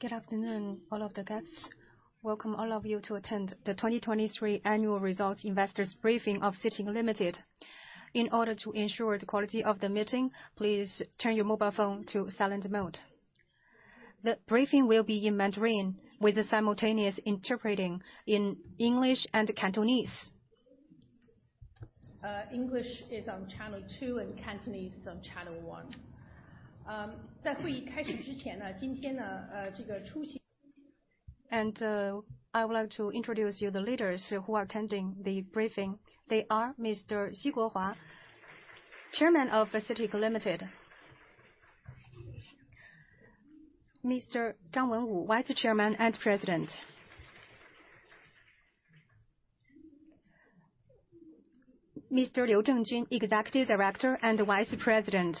Good afternoon, all of the guests. Welcome all of you to attend the 2023 annual results investors briefing of CITIC Limited. In order to ensure the quality of the meeting, please turn your mobile phone to silent mode. The briefing will be in Mandarin with the simultaneous interpreting in English and Cantonese. English is on channel two, and Cantonese is on channel one. I would like to introduce you the leaders who are attending the briefing. They are Mr. Xi Guohua, Chairman of CITIC Limited. Mr. Zhang Wenwu, Vice Chairman and President. Mr. Liu Zhengjun, Executive Director and Vice President.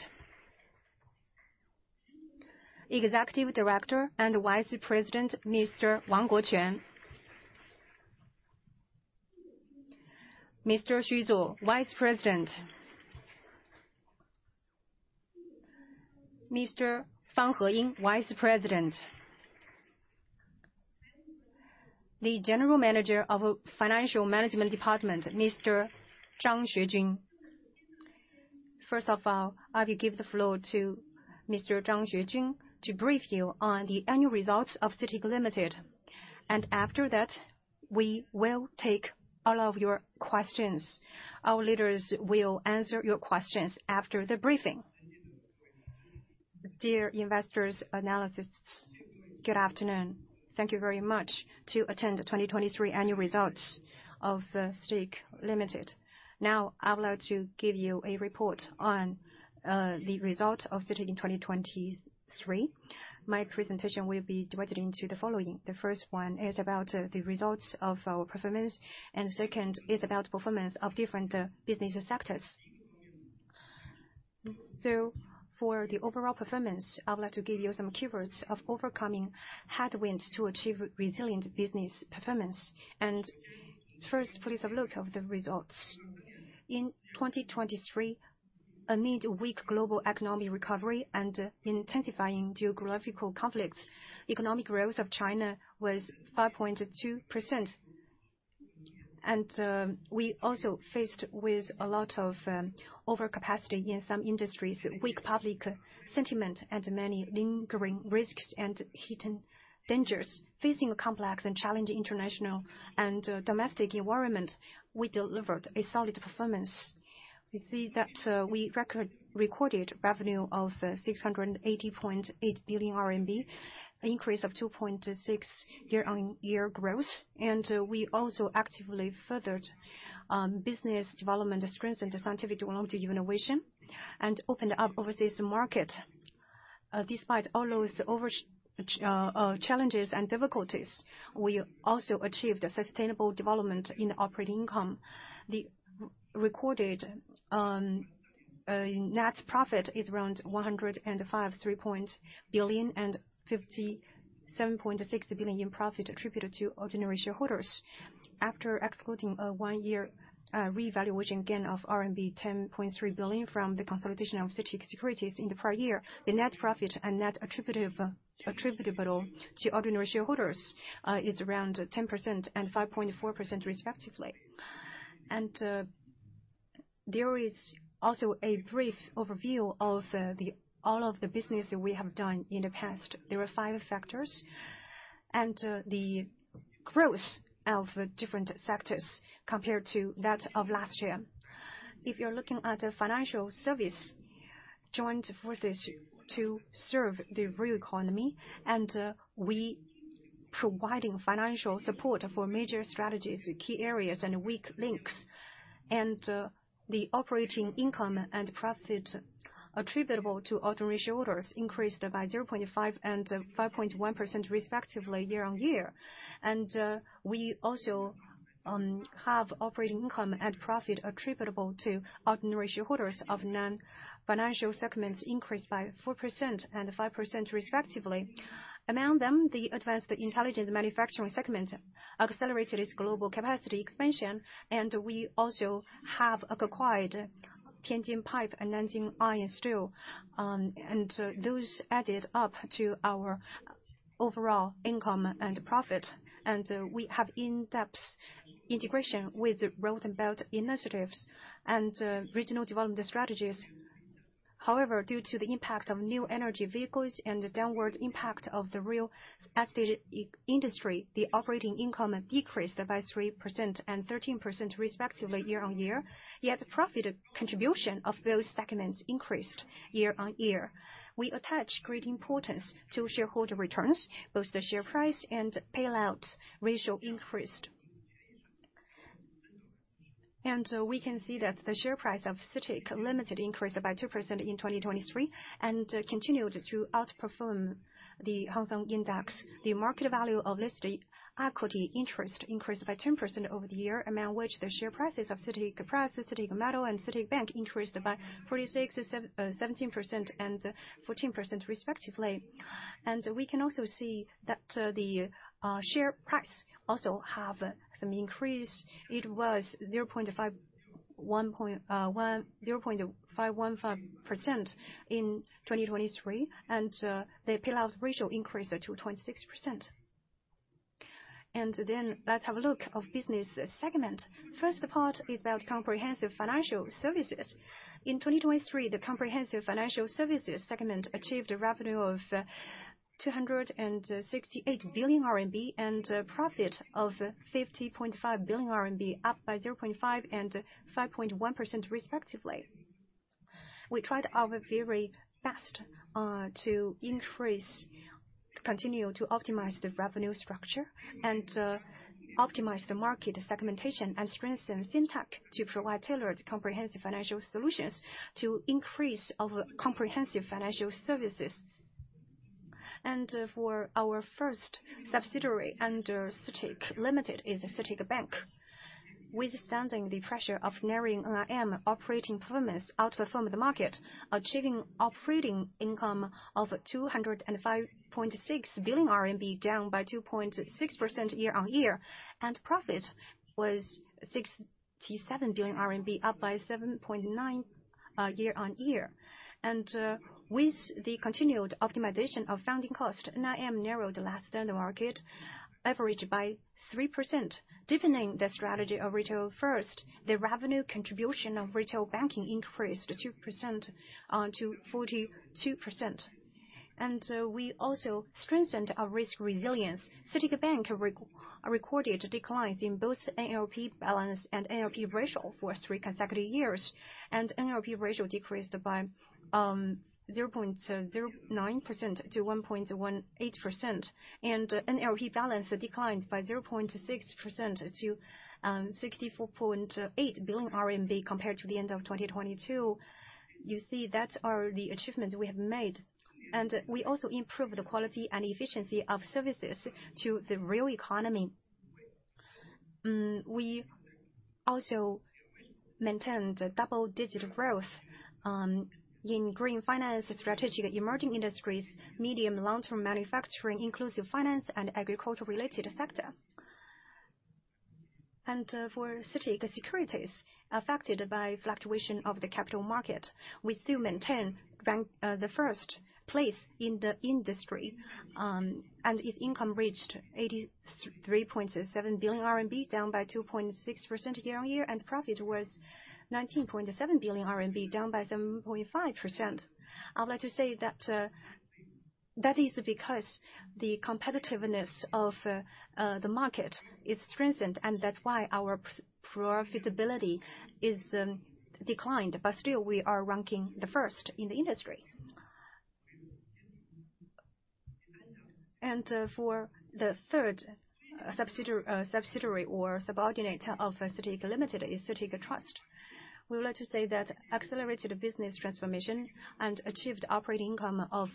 Executive Director and Vice President, Mr. Wang Guoquan. Mr. Xu Zuo, Vice President. Mr. Fang Heying, Vice President. The General Manager of Financial Management Department, Mr. Zhang Xujun. First of all, I will give the floor to Mr. Zhang Xujun to brief you on the annual results of CITIC Limited, and after that, we will take all of your questions. Our leaders will answer your questions after the briefing. Dear investors, analysts, good afternoon. Thank you very much to attend the 2023 annual results of CITIC Limited. Now, I would like to give you a report on the result of CITIC in 2023. My presentation will be divided into the following. The first one is about the results of our performance, and the second is about performance of different business sectors. So for the overall performance, I would like to give you some keywords of overcoming headwinds to achieve resilient business performance. And first, please have a look of the results. In 2023, amid weak global economic recovery and intensifying geographical conflicts, economic growth of China was 5.2%. We also faced with a lot of overcapacity in some industries, weak public sentiment, and many lingering risks and hidden dangers. Facing a complex and challenging international and domestic environment, we delivered a solid performance. We see that we recorded revenue of 680.8 billion RMB, increase of 2.6% year-on-year growth. We also actively furthered business development strengths and the scientific development innovation, and opened up overseas market. Despite all those challenges and difficulties, we also achieved a sustainable development in operating income. The recorded net profit is around 105.3 billion and 57.6 billion in profit attributed to ordinary shareholders. After excluding a one-year revaluation gain of RMB 10.3 billion from the consolidation of CITIC Securities in the prior year, the net profit and net attributive, attributable to ordinary shareholders is around 10% and 5.4% respectively. There is also a brief overview of all of the business that we have done in the past. There are five factors, and the growth of different sectors compared to that of last year. If you're looking at the financial service, joined forces to serve the real economy, and we providing financial support for major strategies, key areas and weak links. The operating income and profit attributable to ordinary shareholders increased by 0.5% and 5.1% respectively year-on-year. And, we also have operating income and profit attributable to ordinary shareholders of non-financial segments increased by 4% and 5% respectively. Among them, the advanced intelligent manufacturing segment accelerated its global capacity expansion, and we also have acquired Tianjin Pipe and Nanjing Iron and Steel. Those added up to our overall income and profit. We have in-depth integration with the Belt and Road initiatives and regional development strategies. However, due to the impact of new energy vehicles and the downward impact of the real estate industry, the operating income decreased by 3% and 13% respectively year-on-year. Yet, profit contribution of those segments increased year-on-year. We attach great importance to shareholder returns. Both the share price and payout ratio increased. We can see that the share price of CITIC Limited increased by 2% in 2023, and continued to outperform the Hong Kong Index. The market value of listed equity interest increased by 10% over the year, among which the share prices of CITIC Press, CITIC Metal, and CITIC Bank increased by 46, 17% and 14% respectively. We can also see that the share price also have some increase. It was 0.515% in 2023, and the payout ratio increased to 26%.... Then let's have a look of business segment. First part is about comprehensive financial services. In 2023, the comprehensive financial services segment achieved a revenue of 268 billion RMB, and a profit of 50.5 billion RMB, up by 0.5% and 5.1% respectively. We tried our very best to increase, continue to optimize the revenue structure, and optimize the market segmentation, and strengthen Fintech to provide tailored comprehensive financial solutions to increase our comprehensive financial services. For our first subsidiary under CITIC Limited is CITIC Bank. Withstanding the pressure of narrowing NIM, operating performance outperformed the market, achieving operating income of 205.6 billion RMB, down by 2.6% year-on-year, and profit was 67 billion RMB, up by 7.9% year-on-year. With the continued optimization of funding cost, NIM narrowed less than the market, averaged by 3%. Deepening the strategy of retail first, the revenue contribution of retail banking increased 2%, to 42%. We also strengthened our risk resilience. CITIC Bank recorded a decline in both NLP balance and NLP ratio for three consecutive years, and NLP ratio decreased by 0.09% to 1.18%, and NLP balance declined by 0.6% to 64.8 billion RMB compared to the end of 2022. You see, that are the achievements we have made, and we also improved the quality and efficiency of services to the real economy. We also maintained a double-digit growth in green finance strategy, the emerging industries, medium long-term manufacturing, inclusive finance, and agricultural related sector. For CITIC Securities, affected by fluctuation of the capital market, we still maintain rank the first place in the industry, and its income reached 83.7 billion RMB, down by 2.6% year-on-year, and profit was 19.7 billion RMB, down by 7.5%. I'd like to say that that is because the competitiveness of the market is strengthened, and that's why our profitability is declined, but still we are ranking the first in the industry. For the third subsidiary or subordinate of CITIC Limited is CITIC Trust. We would like to say that accelerated business transformation and achieved operating income of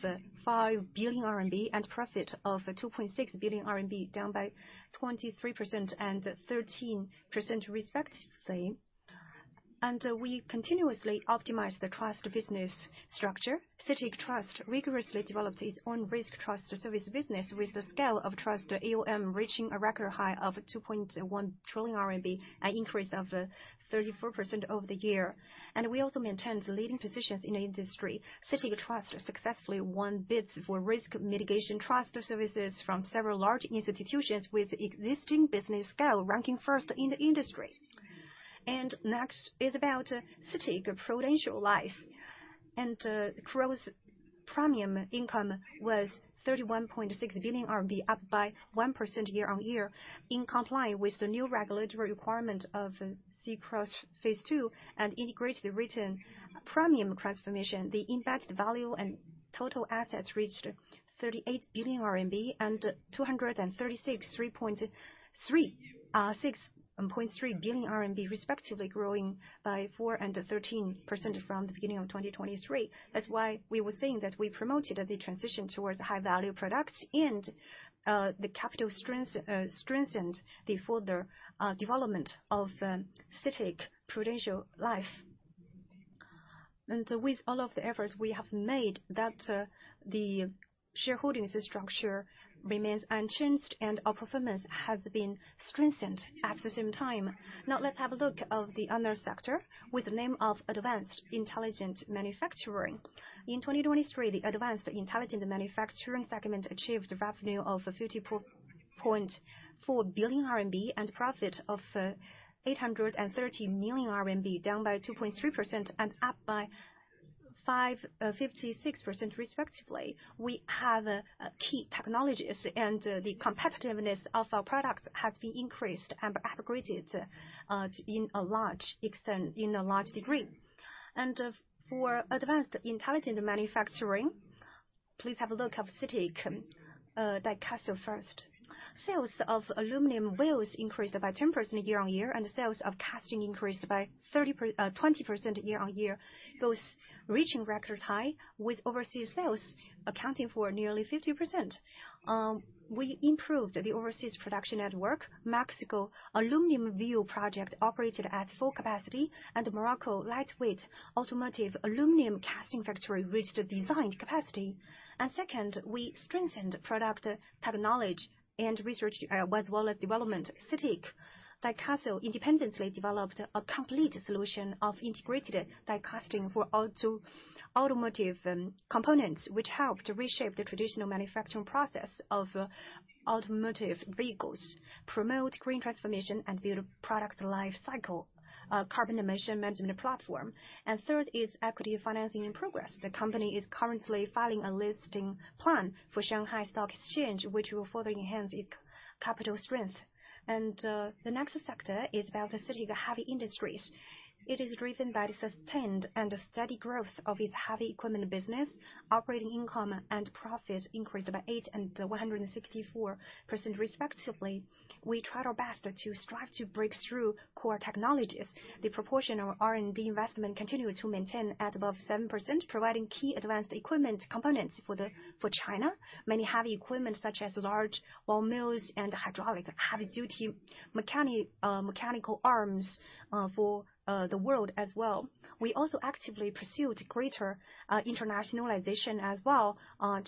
5 billion RMB and profit of 2.6 billion RMB, down by 23% and 13% respectively. We continuously optimize the trust business structure. CITIC Trust rigorously developed its own risk trust service business with the scale of trust AUM reaching a record high of 2.1 trillion RMB, an increase of 34% over the year. We also maintained the leading positions in the industry. CITIC Trust successfully won bids for risk mitigation trust services from several large institutions with existing business scale, ranking first in the industry. Next is about CITIC Prudential Life, and gross premium income was 31.6 billion RMB, up by 1% year-on-year. In complying with the new regulatory requirement of C-ROSS Phase II and integrated written premium transformation, the impact value and total assets reached 38 billion RMB and 236.3 billion RMB, respectively, growing by 4% and 13% from the beginning of 2023. That's why we were saying that we promoted the transition towards high-value products, and the capital strength strengthened the further development of CITIC Prudential Life. With all of the efforts we have made, that the shareholding structure remains unchanged, and our performance has been strengthened at the same time. Now, let's have a look of the other sector with the name of Advanced Intelligent Manufacturing. In 2023, the Advanced Intelligent Manufacturing segment achieved a revenue of 54.4 billion RMB and profit of 830 million RMB, down by 2.3% and up by 56% respectively. We have key technologies, and the competitiveness of our products has been increased and upgraded to in a large extent, in a large degree. For Advanced Intelligent Manufacturing, please have a look of CITIC Dicastal first. Sales of aluminum wheels increased by 10% year-on-year, and sales of casting increased by 20% year-on-year, both reaching record high, with overseas sales accounting for nearly 50%. We improved the overseas production network. Mexico aluminum wheel project operated at full capacity, and Morocco lightweight automotive aluminum casting factory reached the designed capacity. And second, we strengthened product technology and research as well as development. CITIC Dicastal independently developed a complete solution of integrated Dicastal for automotive components, which helped to reshape the traditional manufacturing process of automotive vehicles, promote green transformation, and build product life cycle carbon emission management platform. And third is equity financing in progress. The company is currently filing a listing plan for Shanghai Stock Exchange, which will further enhance its capital strength.... the next sector is about the CITIC Heavy Industries. It is driven by the sustained and steady growth of its heavy equipment business. Operating income and profit increased by 8% and 164% respectively. We tried our best to strive to break through core technologies. The proportion of R&D investment continued to maintain at above 7%, providing key advanced equipment components for the, for China. Many heavy equipment, such as large ball mills and hydraulic heavy-duty mechanical arms, for the world as well. We also actively pursued greater internationalization as well,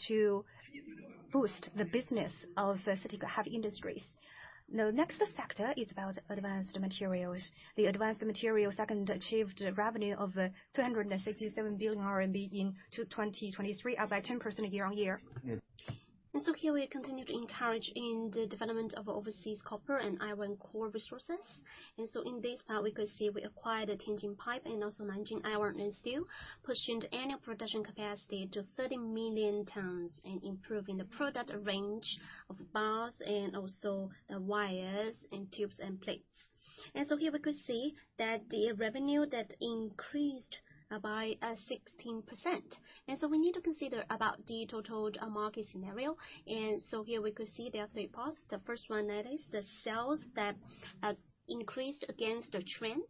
to boost the business of the CITIC Heavy Industries. The next sector is about advanced materials. The advanced materials sector achieved revenue of 267 billion RMB in 2023, up by 10% year-on-year. Here we continue to encourage in the development of overseas copper and iron core resources. In this part, we could see we acquired the Tianjin Pipe and also Nanjing Iron & Steel, pushing the annual production capacity to 30 million tons and improving the product range of bars and also the wires and tubes and plates. Here we could see that the revenue that increased by 16%. We need to consider about the total market scenario. Here we could see there are three parts. The first one, that is the sales that increased against the trend.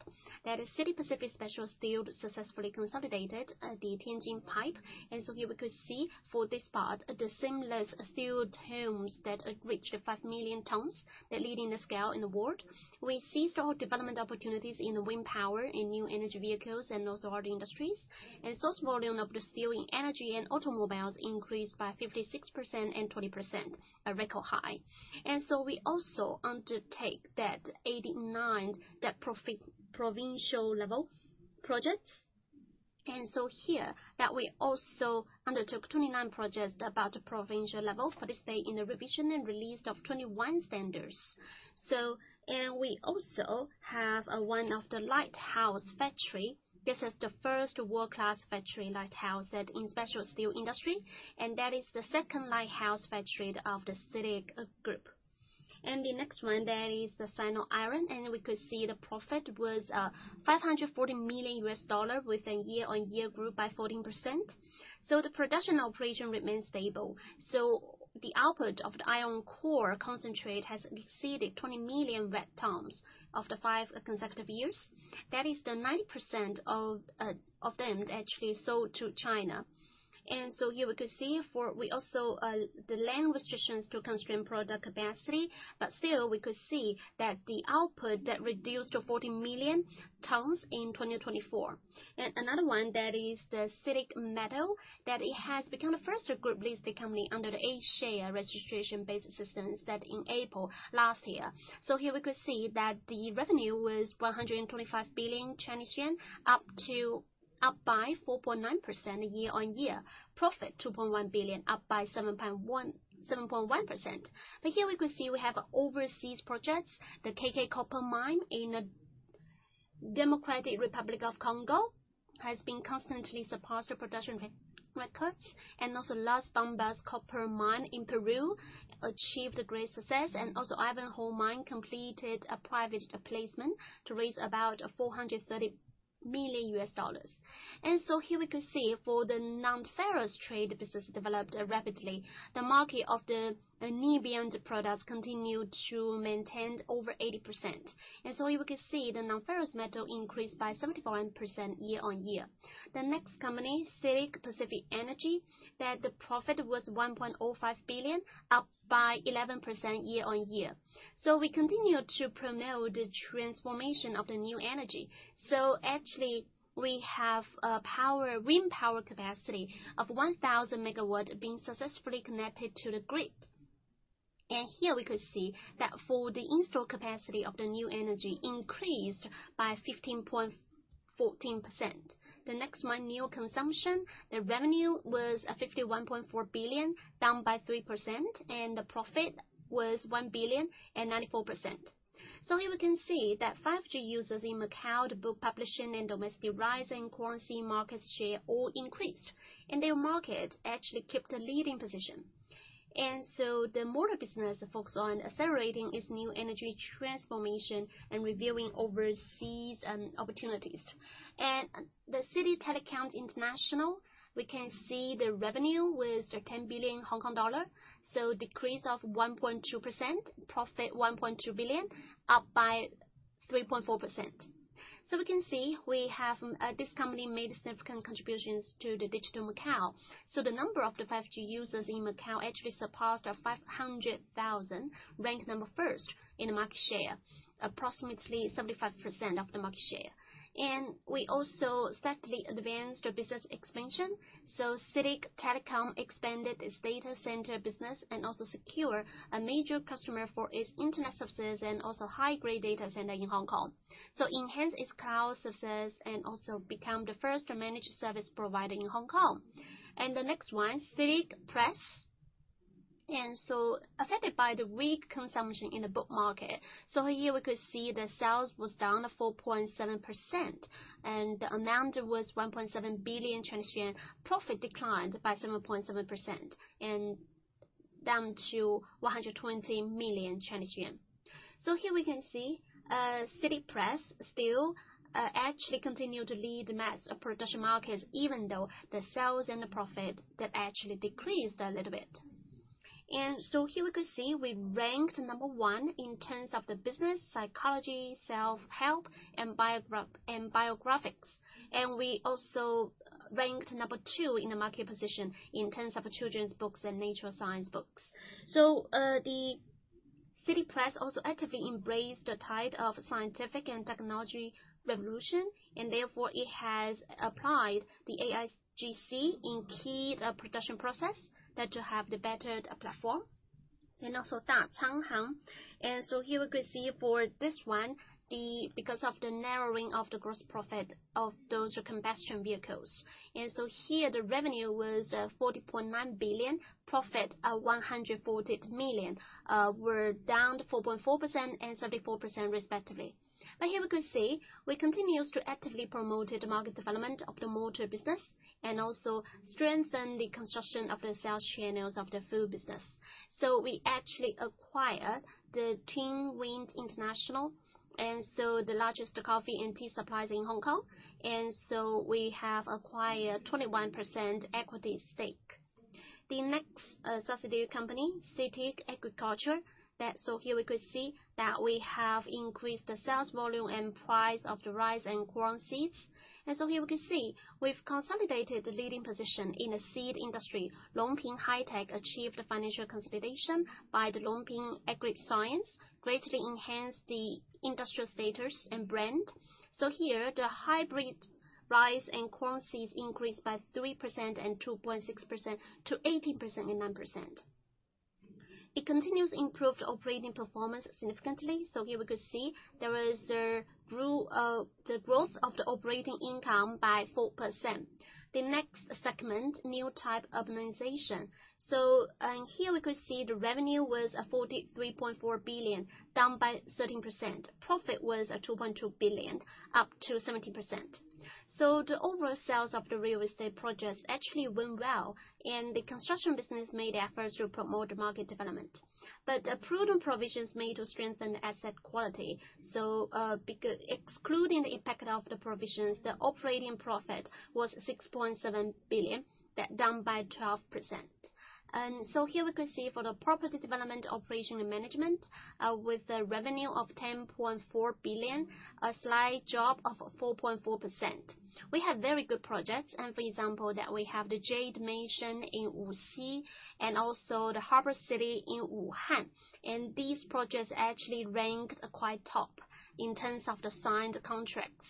That is CITIC Pacific Special Steel successfully consolidated the Tianjin Pipe. Here we could see for this part, the seamless steel tons that reached 5 million tons, that leading the scale in the world. We seized all development opportunities in wind power and new energy vehicles and also other industries. Volume of the steel in energy and automobiles increased by 56% and 20%, a record high. We also undertook 89 provincial level projects. Here, we also undertook 29 projects about the provincial level, participate in the revision and release of 21 standards. We also have one of the Lighthouse Factory. This is the first world-class factory Lighthouse that in special steel industry, and that is the second Lighthouse Factory of the CITIC Group. The next one, that is the Sino Iron, and we could see the profit was $540 million, with a year-on-year growth by 14%. The production operation remains stable. So the output of the iron ore concentrate has exceeded 20 million wet tons for the 5 consecutive years. That is 90% of them actually sold to China. And so here we could see. We also, the land restrictions to constrain production capacity, but still, we could see that the output that reduced to 14 million tons in 2024. And another one, that is the CITIC Metal, that it has become the first group-listed company under the A-share registration-based system that in April last year. So here we could see that the revenue was RMB125 billion, up by 4.9% year-on-year. Profit, 2.1 billion, up by 7.1%, 7.1%. But here we could see we have overseas projects. The KK Copper Mine in the Democratic Republic of the Congo has constantly surpassed the production records, and also Las Bambas Copper Mine in Peru achieved a great success. Also Ivanhoe Mines completed a private placement to raise about $430 million. So here we could see for the non-ferrous trade business developed rapidly, the market of the niobium products continued to maintain over 80%. So you could see the non-ferrous metal increased by 74% year-on-year. The next company, CITIC Pacific Energy, that the profit was 1.05 billion, up by 11% year-on-year. We continue to promote the transformation of the new energy. Actually, we have a power, wind power capacity of 1,000 megawatts being successfully connected to the grid. Here we could see that for the installed capacity of the new energy increased by 15.14%. The next one, new consumption. The revenue was 51.4 billion, down by 3%, and the profit was 1 billion, up 94%. So here we can see that 5G users in Macau, the book publishing and domestic RMB currency market share all increased, and their market actually kept a leading position. And so the motor business focus on accelerating its new energy transformation and pursuing overseas opportunities. And the CITIC Telecom International, we can see the revenue was 10 billion Hong Kong dollar, so decrease of 1.2%. Profit, 1.2 billion, up by 3.4%. So we can see this company made significant contributions to the digital Macau. So the number of the 5G users in Macau actually surpassed 500,000, ranked number 1 in the market share, approximately 75% of the market share. And we also steadily advanced our business expansion. So CITIC Telecom expanded its data center business and also secure a major customer for its internet services and also high-grade data center in Hong Kong. So enhance its cloud services and also become the first managed service provider in Hong Kong. And the next one, CITIC Press. And so affected by the weak consumption in the book market, so here we could see the sales was down 4.7%, and the amount was 1.7 billion Chinese yuan. Profit declined by 7.7%. And down to 120 million Chinese yuan. So here we can see, CITIC Press still actually continue to lead mass production markets, even though the sales and the profit, they actually decreased a little bit. And so here we could see, we ranked number one in terms of the business, psychology, self-help and biography and biographies. And we also ranked number two in the market position in terms of children's books and natural science books. So, the CITIC Press also actively embraced the tide of scientific and technology revolution, and therefore, it has applied the AIGC in key production process that will have the better platform. And also, Dah Chong Hong, and so here we could see for this one, the because of the narrowing of the gross profit of those combustion vehicles. Here, the revenue was 40.9 billion, profit 140 million, were down 4.4% and 74% respectively. But here we could see, we continues to actively promote the market development of the motor business and also strengthen the construction of the sales channels of the food business. So we actually acquired the Tsit Wing International, and so the largest coffee and tea suppliers in Hong Kong. And so we have acquired 21% equity stake. The next subsidiary company, CITIC Agriculture. So here we could see that we have increased the sales volume and price of the rice and corn seeds. And so here we can see, we've consolidated the leading position in the seed industry. Longping High-Tech achieved financial consolidation by the Longping AgriScience, greatly enhanced the industrial status and brand. So here, the hybrid rice and corn seeds increased by 3% and 2.6% to 18% and 9%. It continues to improve the operating performance significantly. So here we could see, there was the growth of the operating income by 4%. The next segment, new type urbanization. So, and here we could see the revenue was 43.4 billion, down by 13%. Profit was 2.2 billion, up 17%. So the overall sales of the real estate projects actually went well, and the construction business made efforts to promote the market development. But the prudent provisions made to strengthen the asset quality, so excluding the impact of the provisions, the operating profit was 6.7 billion, down 12%. Here we could see for the property development, operation, and management, with a revenue of 10.4 billion, a slight drop of 4.4%. We have very good projects, and for example, that we have the Jade Mansion in Wuxi, and also the Harbor City in Wuhan. These projects actually ranked quite top in terms of the signed contracts.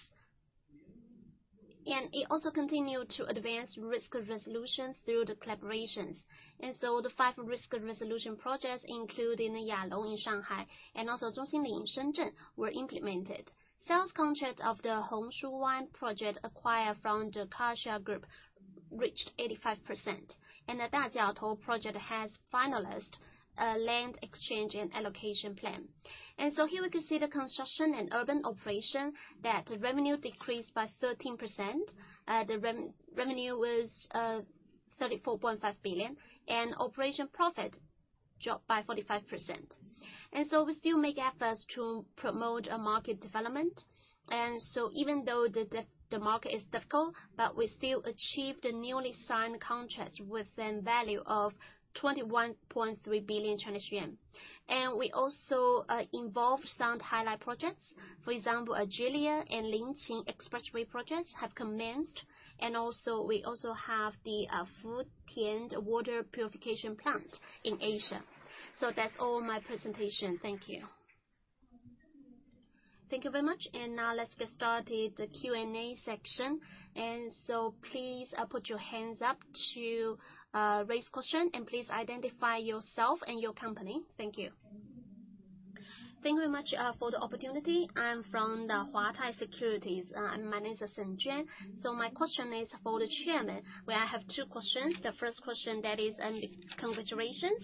It also continued to advance risk resolutions through the collaborations. The five risk resolution projects, including the Yalong in Shanghai, and also CITIC Nanling in Shenzhen, were implemented. Sales contract of the Hongshu Bay project acquired from the Kaisa Group reached 85%, and the Dajiaotou project has finalized a land exchange and allocation plan. Here we could see the construction and urban operation, that the revenue decreased by 13%. The revenue was 34.5 billion, and operating profit dropped by 45%. So we still make efforts to promote a market development. Even though the market is difficult, but we still achieved a newly signed contract with a value of 21.3 billion Chinese yuan. We also involved some highlight projects. For example, Yuliang and Linqing Expressway projects have commenced, and also, we also have the Futian Water Purification Plant in Asia. So that's all my presentation. Thank you. Thank you very much. Now let's get started the Q&A section. Please put your hands up to raise question, and please identify yourself and your company. Thank you. Thank you very much for the opportunity. I'm from Huatai Securities. My name is Shen Juan. So my question is for the chairman, where I have two questions. The first question, that is, and congratulations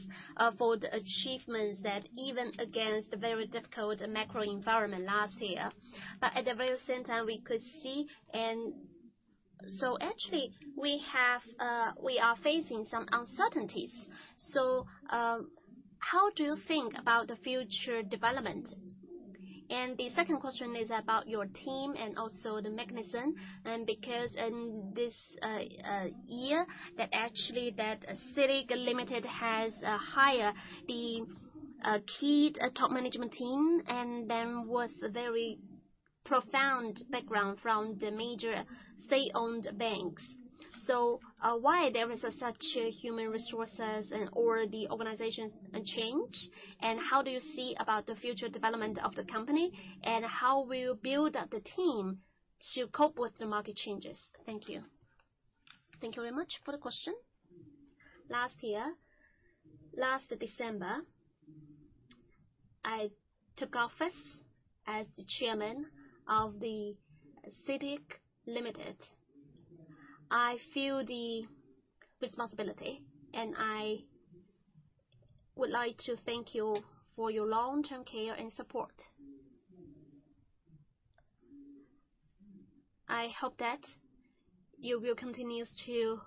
for the achievements that even against the very difficult macro environment last year. But at the very same time, we could see. So actually, we have, we are facing some uncertainties. So, how do you think about the future development? And the second question is about your team and also the mechanism, and because in this year, that actually that CITIC Limited has hired the key top management team, and then with a very profound background from the major state-owned banks. So, why there is such a human resources and, or the organization change? And how do you see about the future development of the company? And how will you build up the team to cope with the market changes? Thank you. Thank you very much for the question. Last year, last December, I took office as the Chairman of CITIC Limited. I feel the responsibility, and I would like to thank you for your long-term care and support. I hope that you will continue to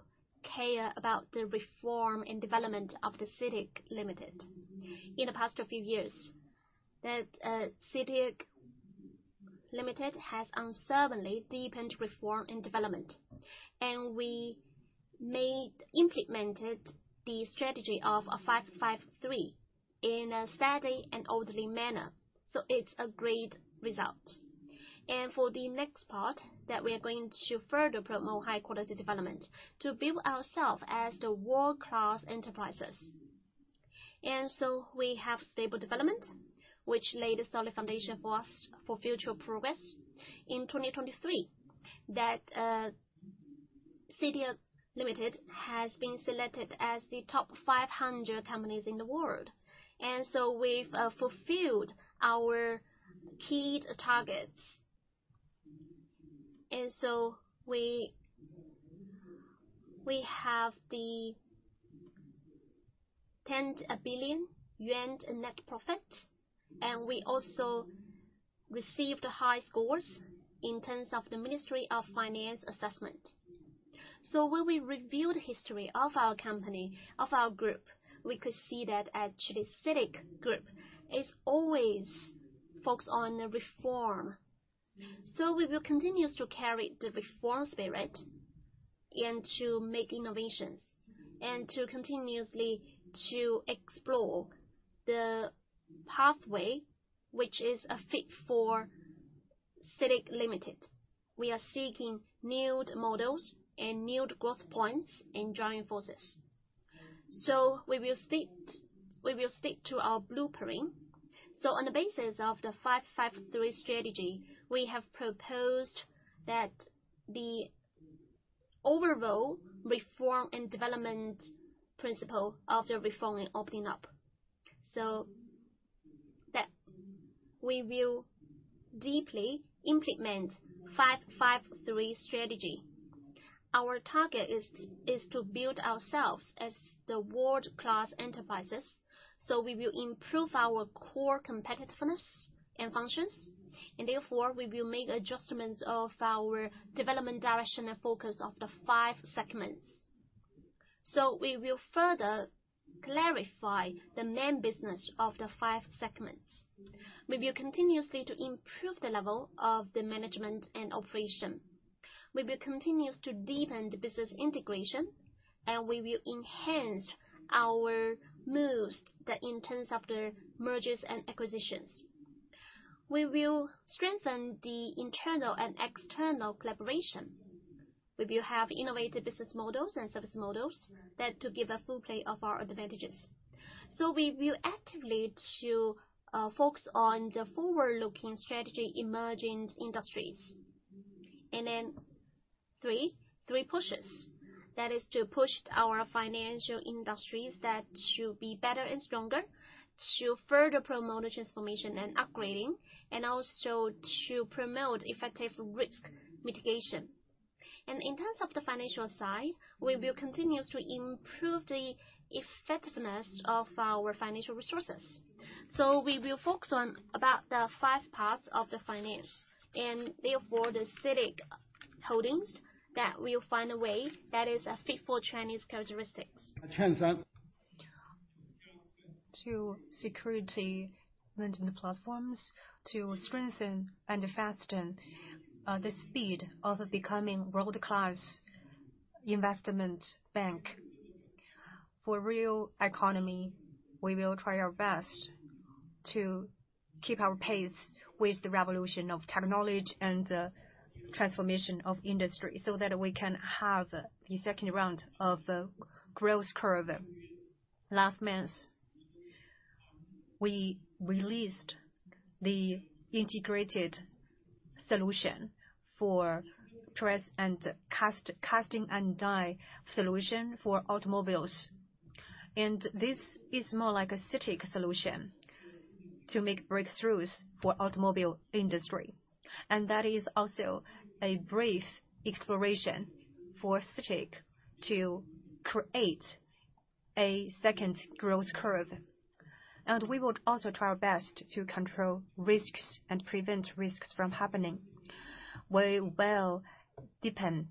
care about the reform and development of CITIC Limited. In the past few years, that, CITIC Limited has unceasingly deepened reform and development, and we implemented the strategy of a five-five-three in a steady and orderly manner. So it's a great result. And for the next part, that we are going to further promote high-quality development to build ourselves as the world-class enterprises. And so we have stable development, which laid a solid foundation for us for future progress. In 2023, that, CITIC Limited has been selected as the top 500 companies in the world, and so we've fulfilled our key targets. And so we, we have the 10 billion yuan net profit, and we also received high scores in terms of the Ministry of Finance assessment. So when we review the history of our company, of our group, we could see that actually, CITIC Group is always focused on the reform. So we will continue to carry the reform spirit and to make innovations, and to continuously to explore the pathway, which is a fit for CITIC Limited. We are seeking new models and new growth points and joining forces. So we will stick, we will stick to our blueprint. So, on the basis of the five-five-three strategy, we have proposed that the overall reform and development principle of the reform and opening up, so that we will deeply implement five-five-three strategy. Our target is to build ourselves as the world-class enterprises, so we will improve our core competitiveness and functions, and therefore, we will make adjustments of our development direction and focus of the five segments. We will further clarify the main business of the five segments. We will continuously to improve the level of the management and operation. We will continue to deepen the business integration, and we will enhance our moves that in terms of the mergers and acquisitions. We will strengthen the internal and external collaboration. We will have innovative business models and service models that to give a full play of our advantages. So we will actively to focus on the forward-looking strategy, emerging industries. And then three, three pushes. That is to push our financial industries that should be better and stronger, to further promote transformation and upgrading, and also to promote effective risk mitigation. And in terms of the financial side, we will continue to improve the effectiveness of our financial resources. So we will focus on about the five parts of the finance, and therefore, the CITIC Holdings, that will find a way that is a fit for Chinese characteristics. To security management platforms, to strengthen and fasten the speed of becoming world-class investment bank. For real economy, we will try our best to keep our pace with the revolution of technology and transformation of industry, so that we can have the second round of the growth curve. Last month, we released the integrated solution for press and cast, casting and die solution for automobiles, and this is more like a CITIC solution to make breakthroughs for automobile industry. We would also try our best to control risks and prevent risks from happening. We will deepen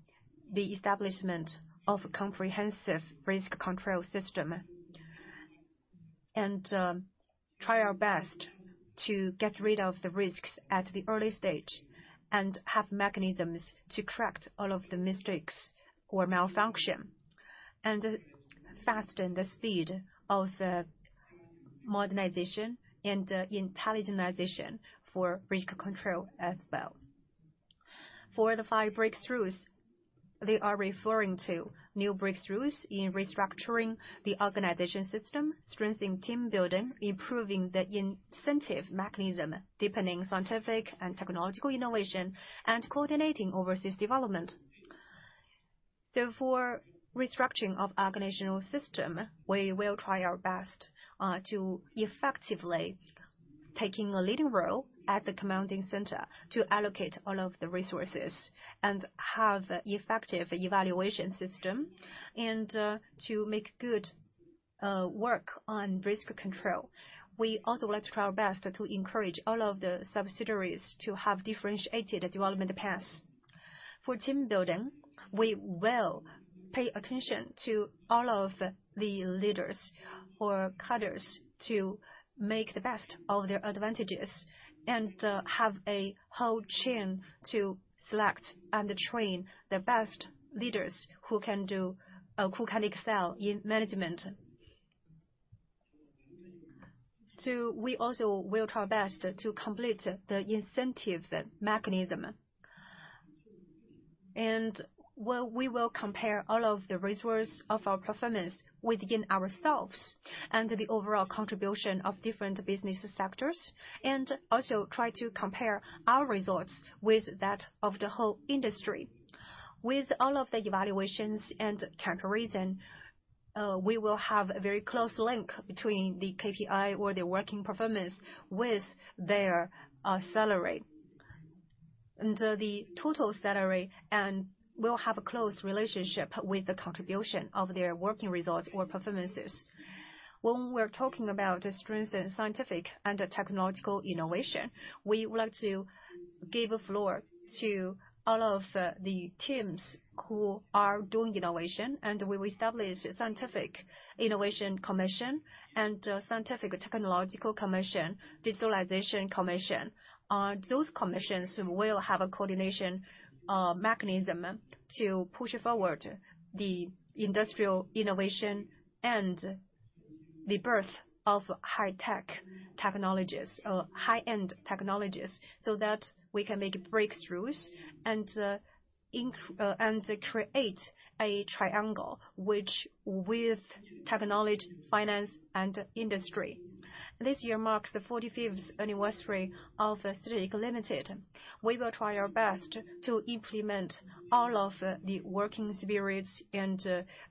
the establishment of a comprehensive risk control system, and try our best to get rid of the risks at the early stage, and have mechanisms to correct all of the mistakes or malfunction, and fasten the speed of the modernization and intelligentization for risk control as well. For the five breakthroughs, they are referring to new breakthroughs in restructuring the organization system, strengthening team building, improving the incentive mechanism, deepening scientific and technological innovation, and coordinating overseas development. Therefore, restructuring of organizational system, we will try our best to effectively taking a leading role at the commanding center to allocate all of the resources and have effective evaluation system, and to make good work on risk control. We also like to try our best to encourage all of the subsidiaries to have differentiated development paths. For team building, we will pay attention to all of the leaders or cadres to make the best of their advantages, and have a whole chain to select and train the best leaders who can do, who can excel in management. Two, we also will try our best to complete the incentive mechanism. Well, we will compare all of the results of our performance within ourselves and the overall contribution of different business sectors, and also try to compare our results with that of the whole industry. With all of the evaluations and comparison, we will have a very close link between the KPI or the working performance with their salary. And the total salary, and we'll have a close relationship with the contribution of their working results or performances. When we're talking about the strength in scientific and technological innovation, we would like to give a floor to all of the teams who are doing innovation, and we will establish a scientific innovation commission and scientific technological commission, digitalization commission. Those commissions will have a coordination mechanism to push forward the industrial innovation and the birth of high-tech technologies, high-end technologies, so that we can make breakthroughs and create a triangle which with technology, finance, and industry. This year marks the 45th anniversary of CITIC Limited. We will try our best to implement all of the working spirits and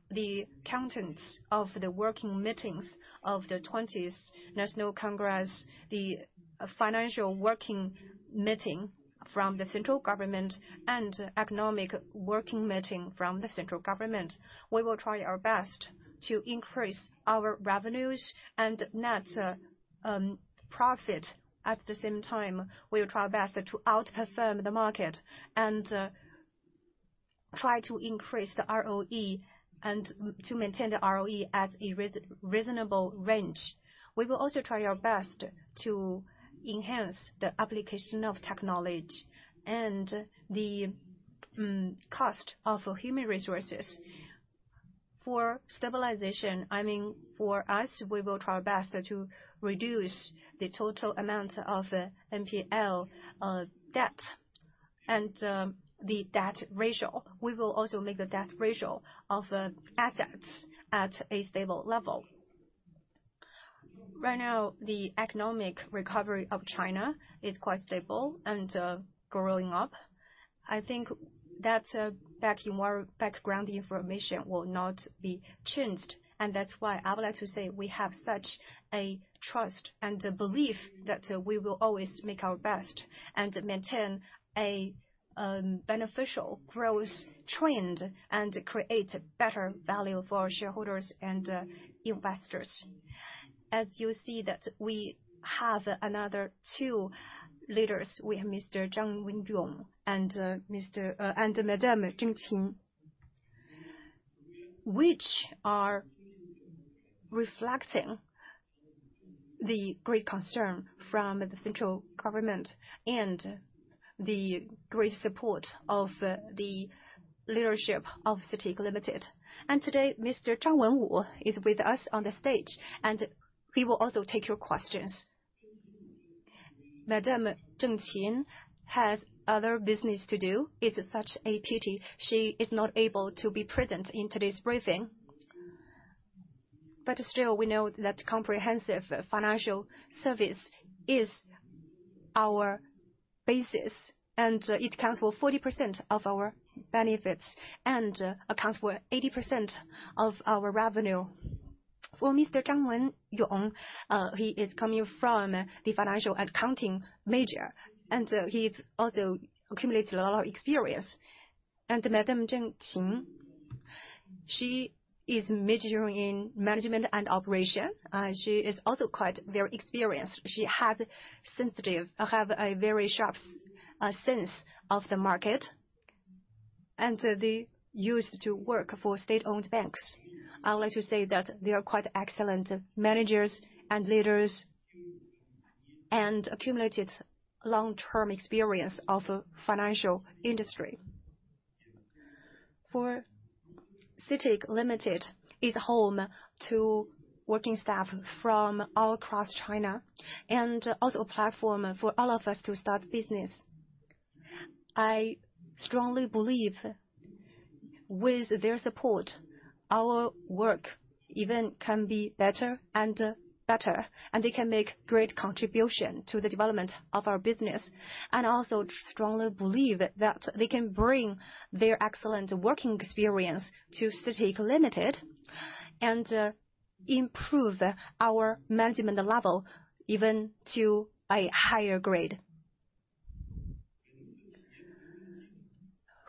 the contents of the working meetings of the 20th National Congress, the financial working meeting from the central government, and economic working meeting from the central government. We will try our best to increase our revenues and net profit. At the same time, we will try our best to outperform the market and try to increase the ROE and to maintain the ROE at a reasonable range. We will also try our best to enhance the application of technology and the cost of human resources. For stabilization, I mean, for us, we will try our best to reduce the total amount of NPL debt and the debt ratio. We will also make the debt ratio of assets at a stable level. Right now, the economic recovery of China is quite stable and growing up. I think that background information will not be changed, and that's why I would like to say we have such a trust and a belief that we will always make our best and maintain a beneficial growth trend and create better value for our shareholders and investors. As you see that we have another two leaders. We have Mr. Zhang Wenwu and Madame Zeng Qi, which are reflecting the great concern from the central government and the great support of the leadership of CITIC Limited. Today, Mr. Zhang Wenwu is with us on the stage, and he will also take your questions. Madame Zeng Qi has other business to do. It's such a pity she is not able to be present in today's briefing. But still, we know that comprehensive financial service is our basis, and it accounts for 40% of our benefits, and accounts for 80% of our revenue. For Mr. Zhang Wenwu, he is coming from the financial accounting major, and he's also accumulated a lot of experience. And Madame Zeng Qi, she is majoring in management and operation. She is also quite very experienced. She has sensitive, have a very sharp, sense of the market, and they used to work for state-owned banks. I would like to say that they are quite excellent managers and leaders and accumulated long-term experience of financial industry. For CITIC Limited, is home to working staff from all across China, and also a platform for all of us to start business. I strongly believe with their support, our work even can be better and better, and they can make great contribution to the development of our business. Also strongly believe that they can bring their excellent working experience to CITIC Limited and improve our management level even to a higher grade.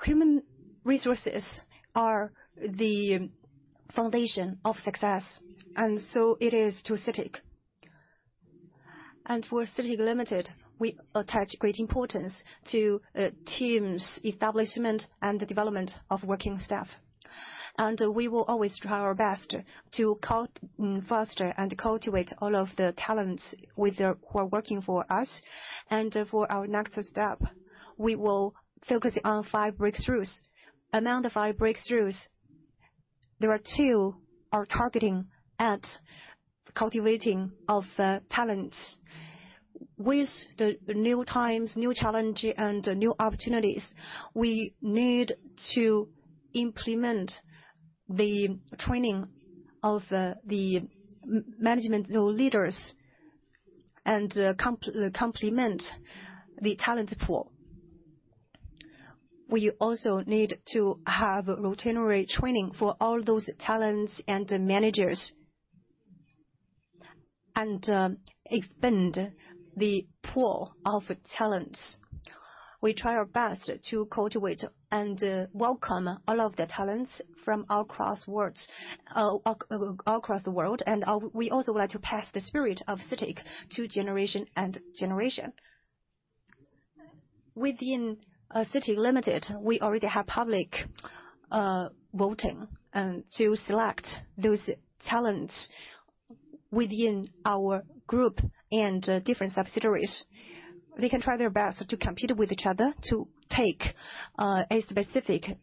Human resources are the foundation of success, and so it is to CITIC. For CITIC Limited, we attach great importance to teams' establishment and the development of working staff. We will always try our best to foster and cultivate all of the talents who are working for us. For our next step, we will focus on five breakthroughs. Among the five breakthroughs, there are two targeting at cultivating of talents. With the new times, new challenge, and new opportunities, we need to implement the training of the management leaders and complement the talent pool. We also need to have routine training for all those talents and the managers, and expand the pool of talents. We try our best to cultivate and welcome all of the talents from all across the world, and we also like to pass the spirit of CITIC to generation and generation. Within CITIC Limited, we already have public voting to select those talents within our group and different subsidiaries. They can try their best to compete with each other to take a specific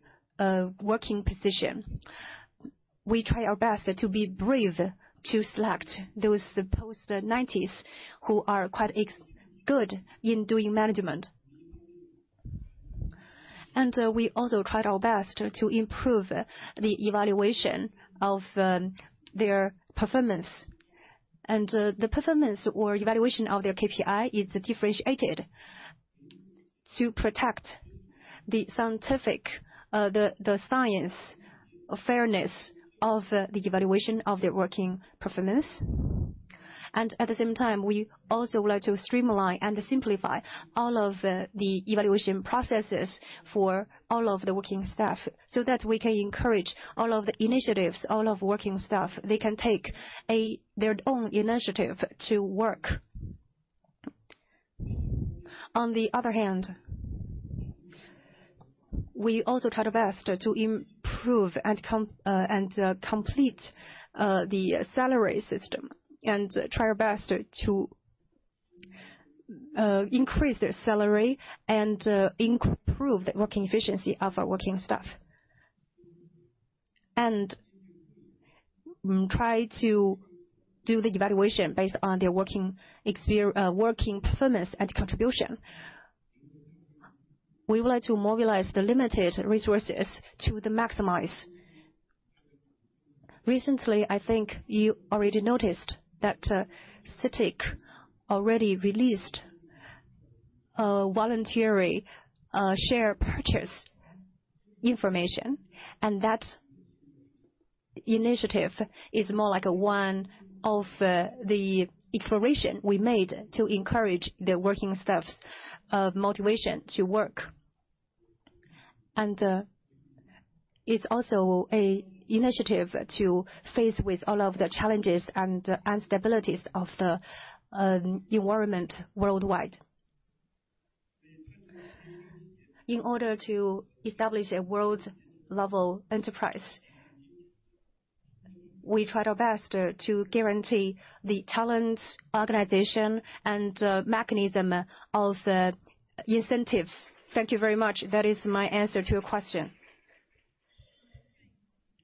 working position. We try our best to be brave, to select those post-nineties who are quite good in doing management. We also tried our best to improve the evaluation of their performance. The performance or evaluation of their KPI is differentiated to protect the scientific fairness of the evaluation of their working performance. At the same time, we also would like to streamline and simplify all of the evaluation processes for all of the working staff, so that we can encourage all of the initiatives, all of working staff, they can take their own initiative to work. On the other hand, we also try our best to improve and complete the salary system, and try our best to increase their salary and improve the working efficiency of our working staff, and try to do the evaluation based on their working performance and contribution. We would like to mobilize the limited resources to maximize. Recently, I think you already noticed that, CITIC already released a voluntary share purchase information, and that initiative is more like one of the exploration we made to encourage the working staff's motivation to work. And it's also an initiative to face with all of the challenges and instabilities of the environment worldwide. In order to establish a world-level enterprise, we try our best to guarantee the talent, organization, and mechanism of the incentives. Thank you very much. That is my answer to your question.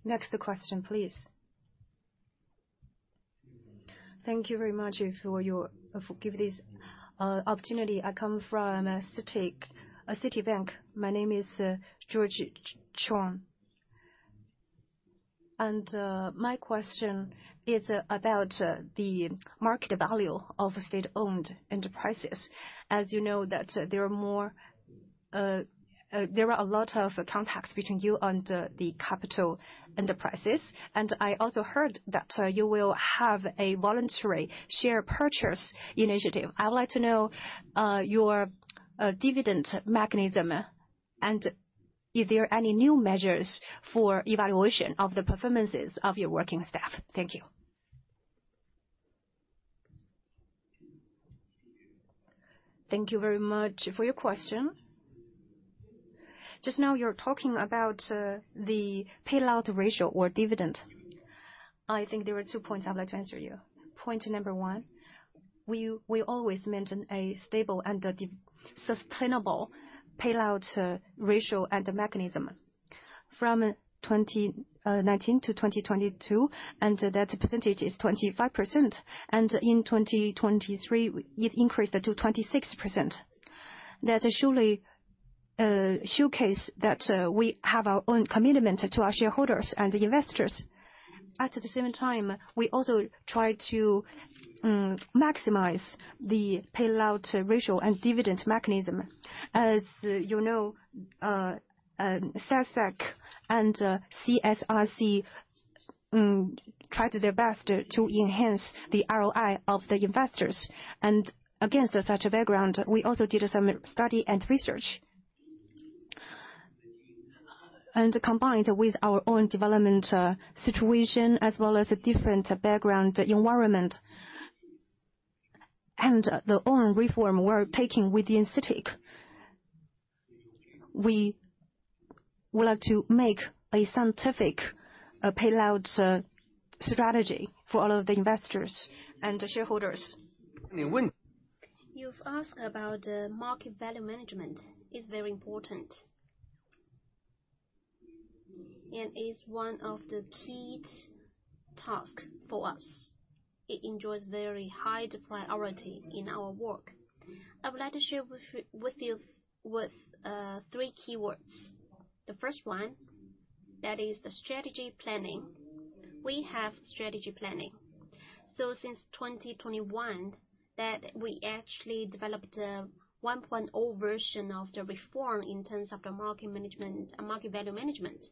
Next question, please. Thank you very much for your giving this opportunity. I come from Citibank. My name is George Choi. And my question is about the market value of state-owned enterprises. As you know, that there are more, there are a lot of contacts between you and the capital enterprises, and I also heard that you will have a voluntary share purchase initiative. I would like to know your dividend mechanism, and if there are any new measures for evaluation of the performances of your working staff? Thank you. Thank you very much for your question. Just now, you're talking about the payout ratio or dividend. I think there are two points I'd like to answer you. Point number one, we always maintain a stable and sustainable payout ratio and mechanism. From 2019 to 2022, and that percentage is 25%, and in 2023, it increased it to 26%. That surely showcase that we have our own commitment to our shareholders and investors. At the same time, we also try to maximize the payout ratio and dividend mechanism. As you know, CITIC and CSRC tried their best to enhance the ROI of the investors. Against such a background, we also did some study and research. Combined with our own development situation, as well as a different background environment, and the own reform we're taking within CITIC, we would like to make a scientific payout strategy for all of the investors and the shareholders. You've asked about the market value management. It's very important. It's one of the key task for us. It enjoys very high priority in our work. I would like to share with you three keywords. The first one, that is the strategy planning. We have strategy planning. So since 2021, that we actually developed 1.0 version of the reform in terms of the market management and market value management.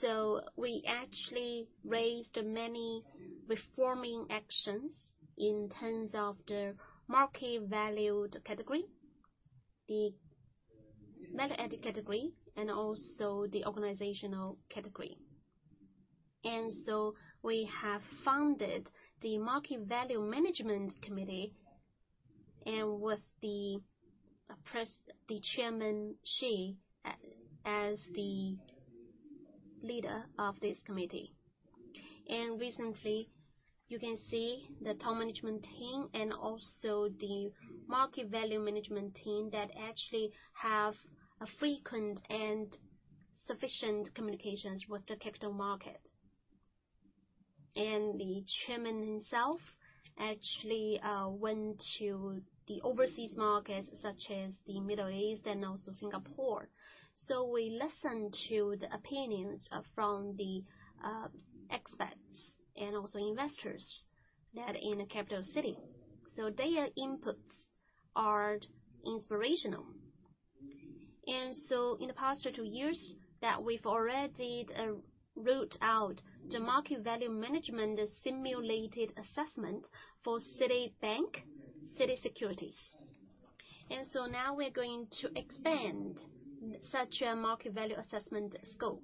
So we actually raised many reforming actions in terms of the market valued category, the value added category, and also the organizational category. And so we have founded the Market Value Management Committee, and with the Chairman Xi, as the leader of this committee. And recently, you can see the top management team and also the market value management team that actually have a frequent and sufficient communications with the capital market. And the chairman himself actually went to the overseas markets, such as the Middle East and also Singapore. So we listened to the opinions from the expats and also investors that are in the capital city. So their inputs are inspirational. And so in the past two years, that we've already rolled out the market value management, the simulated assessment for CITIC Bank, CITIC Securities. And so now we're going to expand such a market value assessment scope.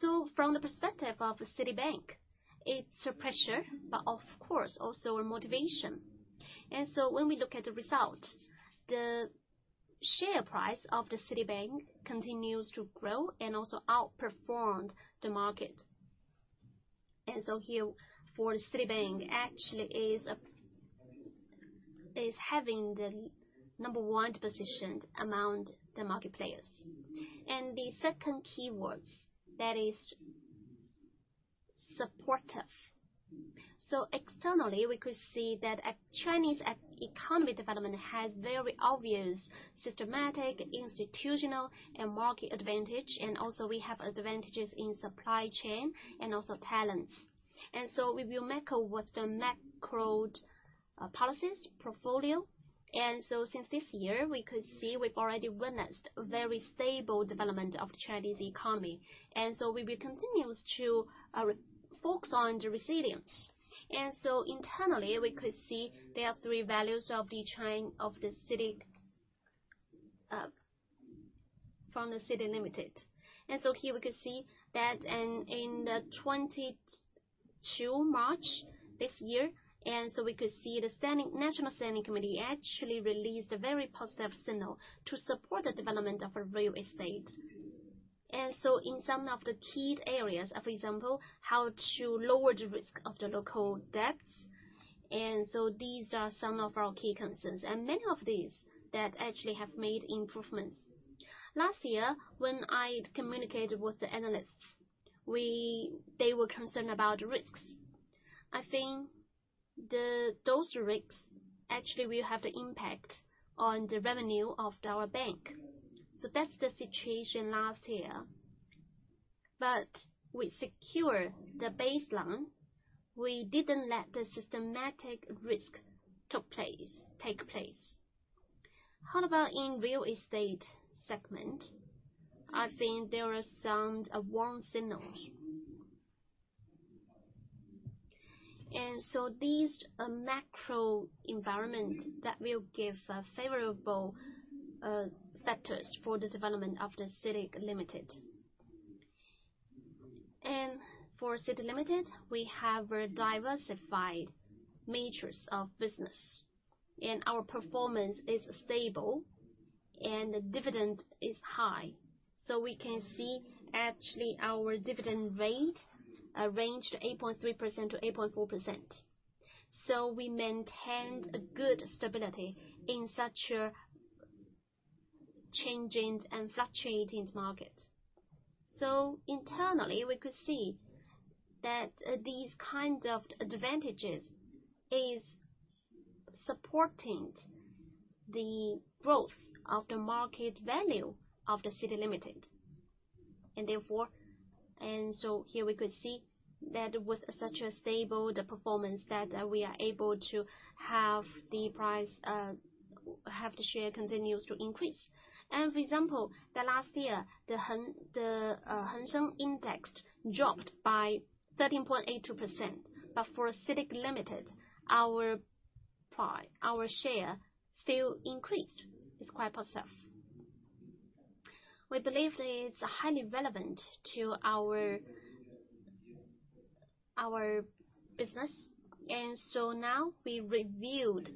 So from the perspective of CITIC Bank, it's a pressure, but of course, also a motivation. And so when we look at the results, the share price of CITIC Bank continues to grow and also outperformed the market. And so here, for the CITIC Bank actually is having the number one position among the market players. And the second keywords that is supportive. So externally, we could see that Chinese economy development has very obvious systematic, institutional, and market advantage, and also we have advantages in supply chain and also talents. And so we will make with the macro policies portfolio. And so since this year, we could see we've already witnessed a very stable development of the Chinese economy. And so we will continue to focus on the resilience. And so internally, we could see there are three values of the China CITIC from the CITIC Limited. Here we could see that in 22 March this year, we could see the National Standing Committee actually released a very positive signal to support the development of real estate. In some of the key areas, for example, how to lower the risk of the local debts. These are some of our key concerns, and many of these that actually have made improvements. Last year, when I communicated with the analysts, they were concerned about the risks. I think those risks actually will have the impact on the revenue of our bank. So that's the situation last year. But we secured the baseline. We didn't let the systematic risk take place. How about in real estate segment? I think there are some warm signals. These are macro environment that will give favorable factors for the development of the CITIC Limited. For CITIC Limited, we have a diversified majors of business, and our performance is stable, and the dividend is high. So we can see, actually, our dividend rate ranged 8.3%-8.4%. So we maintained a good stability in such a changing and fluctuating market. So internally, we could see that these kind of advantages is supporting the growth of the market value of the CITIC Limited. And therefore. And so here we could see that with such a stable performance, that we are able to have the price, have the share continues to increase. And for example, the last year, the Hang Seng index dropped by 13.82%. But for CITIC Limited, our share still increased. It's quite positive. We believe it's highly relevant to our business, and so now we reviewed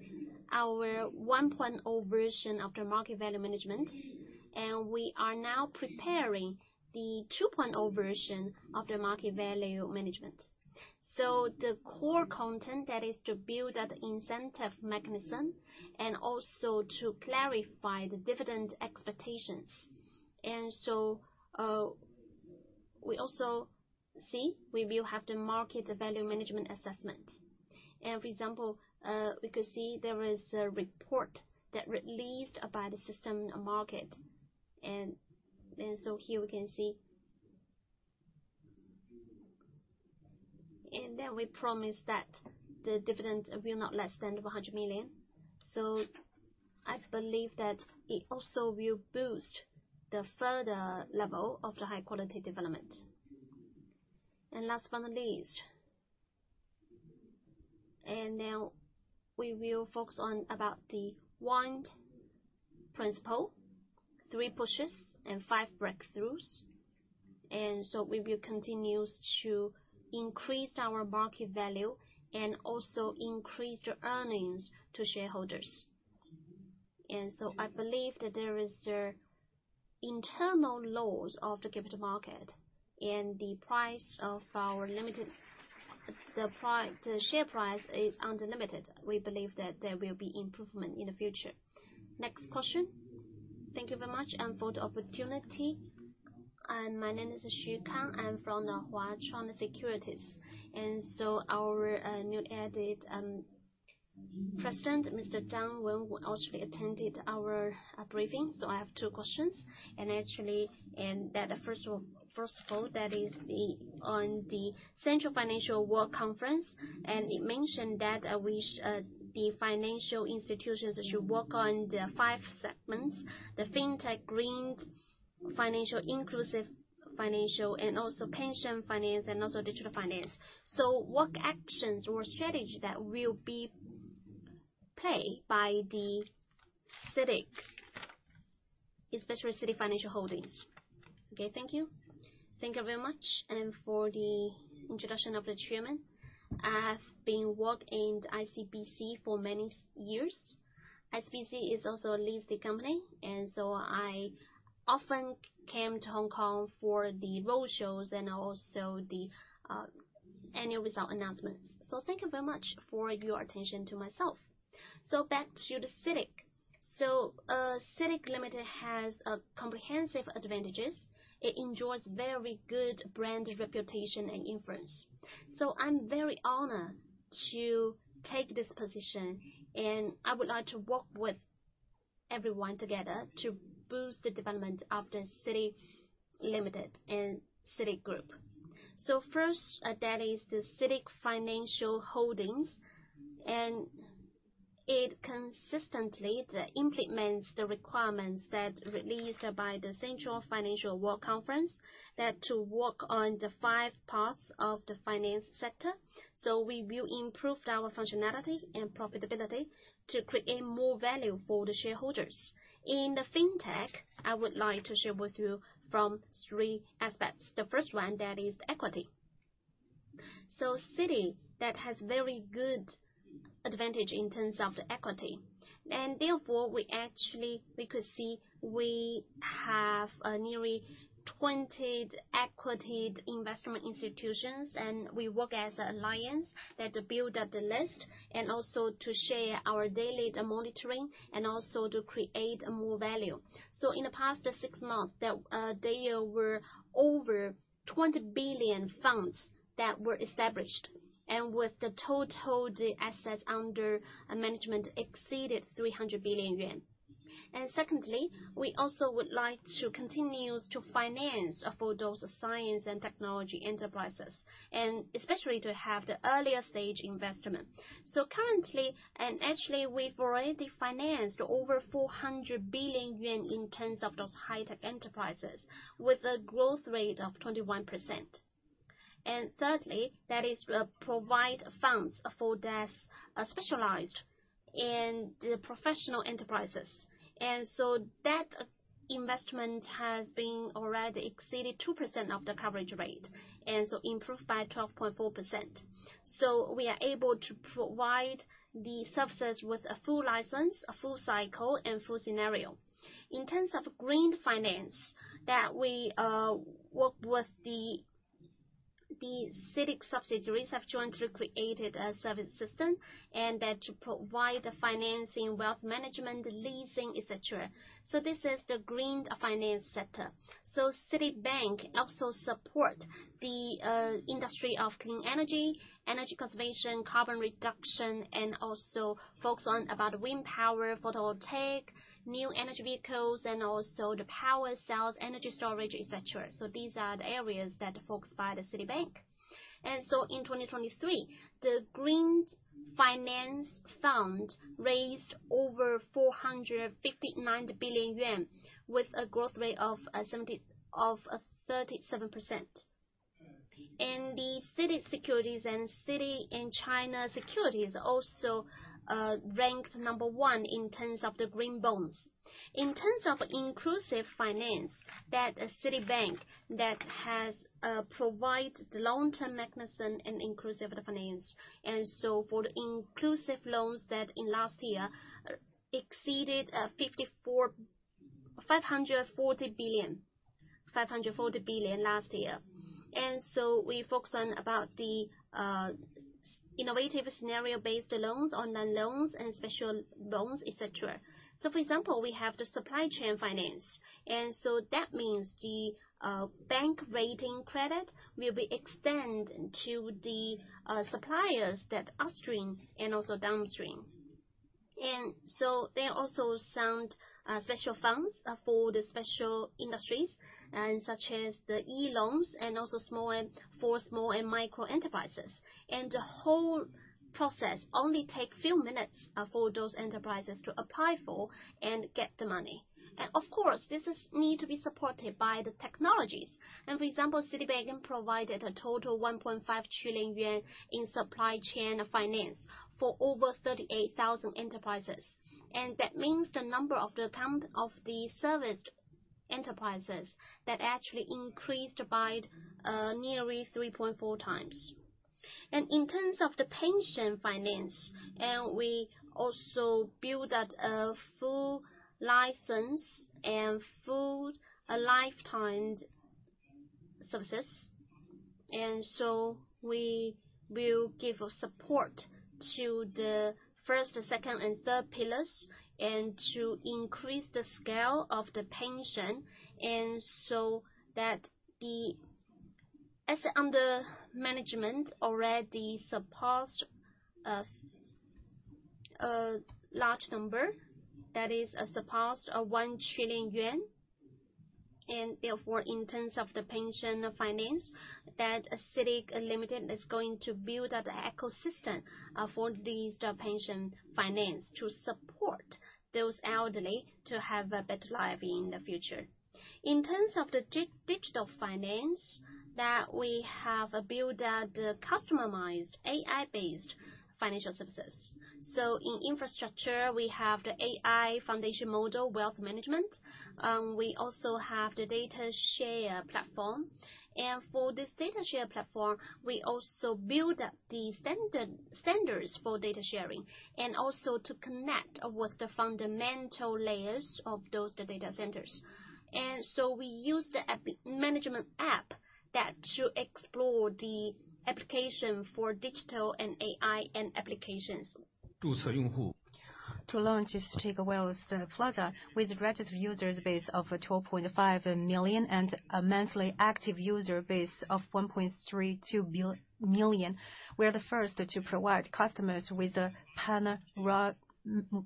our 1.0 version of the market value management, and we are now preparing the 2.0 version of the market value management. So the core content, that is to build an incentive mechanism and also to clarify the dividend expectations. And so we also see we will have the market value management assessment. And for example, we could see there is a report that was released by the securities market. And so here we can see. And then we promise that the dividend will not be less than 100 million. So I believe that it also will boost the further level of the high-quality development. Last but not least, now we will focus on about the one principle, three pushes, and five breakthroughs. So we will continue to increase our market value and also increase the earnings to shareholders. So I believe that there is the internal laws of the capital market and the price of our Limited, the share price is unlimited. We believe that there will be improvement in the future. Next question. Thank you very much for the opportunity. My name is Xu Kang. I'm from Huachuang Securities, and so our new added president, Mr. Zhang, when also he attended our briefing. So I have two questions, and actually, first of all, that is on the Central Financial Work Conference, and it mentioned that the financial institutions should work on the five segments, the fintech, green, financial, inclusive financial, and also pension finance, and also digital finance. So what actions or strategy that will be played by CITIC, especially CITIC Financial Holdings? Okay, thank you. Thank you very much for the introduction of the chairman. I have been worked in ICBC for many years. ICBC is also a listed company, and so I often came to Hong Kong for the roadshows and also the annual result announcements. So thank you very much for your attention to myself. So back to CITIC. So, CITIC Limited has comprehensive advantages. It enjoys very good brand reputation and influence. So I'm very honored to take this position, and I would like to work with everyone together to boost the development of the CITIC Limited and CITIC Group. So first, that is the CITIC Financial Holdings, and it consistently implements the requirements that released by the Central Financial Work Conference, that to work on the five parts of the finance sector. So we will improve our functionality and profitability to create more value for the shareholders. In the fintech, I would like to share with you from three aspects. The first one, that is equity. So CITIC, that has very good advantage in terms of the equity, and therefore, we actually, we could see we have nearly 20 equity investment institutions, and we work as an alliance that build up the list, and also to share our daily monitoring, and also to create more value. So in the past six months, there were over 20 billion funds that were established, and with the total, the assets under management exceeded 300 billion yuan. Secondly, we also would like to continue to finance for those science and technology enterprises, and especially to have the earlier stage investment. Currently, and actually, we've already financed over 400 billion yuan in terms of those high-tech enterprises, with a growth rate of 21%. Thirdly, that is, provide funds for that's, specialized in the professional enterprises. And so that investment has been already exceeded 2% of the coverage rate, and so improved by 12.4%. We are able to provide the services with a full license, a full cycle, and full scenario. In terms of green finance, that we work with the CITIC subsidiaries have jointly created a service system, and that to provide the financing, wealth management, leasing, et cetera. So this is the green finance sector. So CITIC Bank also support the industry of clean energy, energy conservation, carbon reduction, and also focus on about wind power, photovoltaic, new energy vehicles, and also the power cells, energy storage, et cetera. So these are the areas that focused by the CITIC Bank. And so in 2023, the green finance fund raised over 459 billion yuan, with a growth rate of 37%. And the CITIC Securities and CITIC and China Securities also ranked number one in terms of the green bonds. In terms of inclusive finance, that CITIC Bank that has provided long-term mechanism and inclusive the finance. For the inclusive loans that in last year exceeded 540 billion. 540 billion last year. We focus on the innovative scenario-based loans, online loans, and special loans, etc. For example, we have the supply chain finance, and so that means the bank rating credit will be extended to the suppliers that are upstream and also downstream. There are also some special funds for the special industries, such as the e-loans and also small and micro enterprises. The whole process only takes a few minutes for those enterprises to apply for and get the money. Of course, this needs to be supported by the technologies. For example, CITIC Bank provided a total 1.5 trillion yuan in supply chain finance for over 38,000 enterprises. That means the number of the count of the serviced enterprises that actually increased by nearly 3.4 times. In terms of the pension finance, we also built out a full license and full lifetime services. So we will give support to the first, second and third pillars, and to increase the scale of the pension. So that the asset under management already surpassed a large number, that is, surpassed 1 trillion yuan. Therefore, in terms of the pension finance, CITIC Limited is going to build out the ecosystem for these pension finance to support those elderly to have a better life in the future. In terms of the digital finance, that we have built out the customized AI-based financial services. So in infrastructure, we have the AI foundation model, wealth management. We also have the data share platform. And for this data share platform, we also build up the standards for data sharing, and also to connect with the fundamental layers of those, the data centers. And so we use the app, management app, that to explore the application for digital and AI, and applications. To launch this digital wealth platform, with registered user base of 12.5 million, and a monthly active user base of 1.32 billion, we are the first to provide customers with a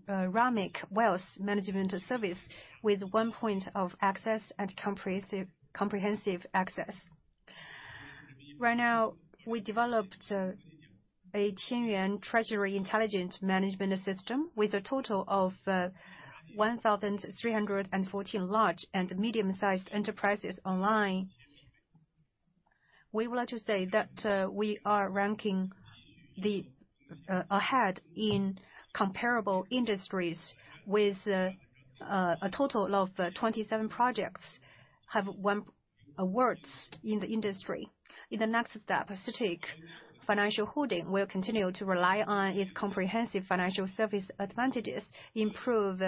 panoramic wealth management service, with one point of access and comprehensive, comprehensive access. Right now, we developed a Tian Yuan Treasury Intelligent Management System, with a total of 1,314 large and medium-sized enterprises online. We would like to say that we are ranking ahead in comparable industries with a total of 27 projects, have won awards in the industry. In the next step, CITIC Financial Holdings will continue to rely on its comprehensive financial service advantages, improve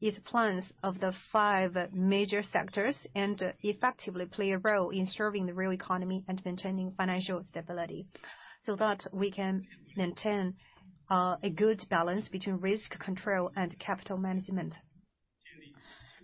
its plans of the five major sectors, and effectively play a role in serving the real economy and maintaining financial stability, so that we can maintain a good balance between risk control and capital management.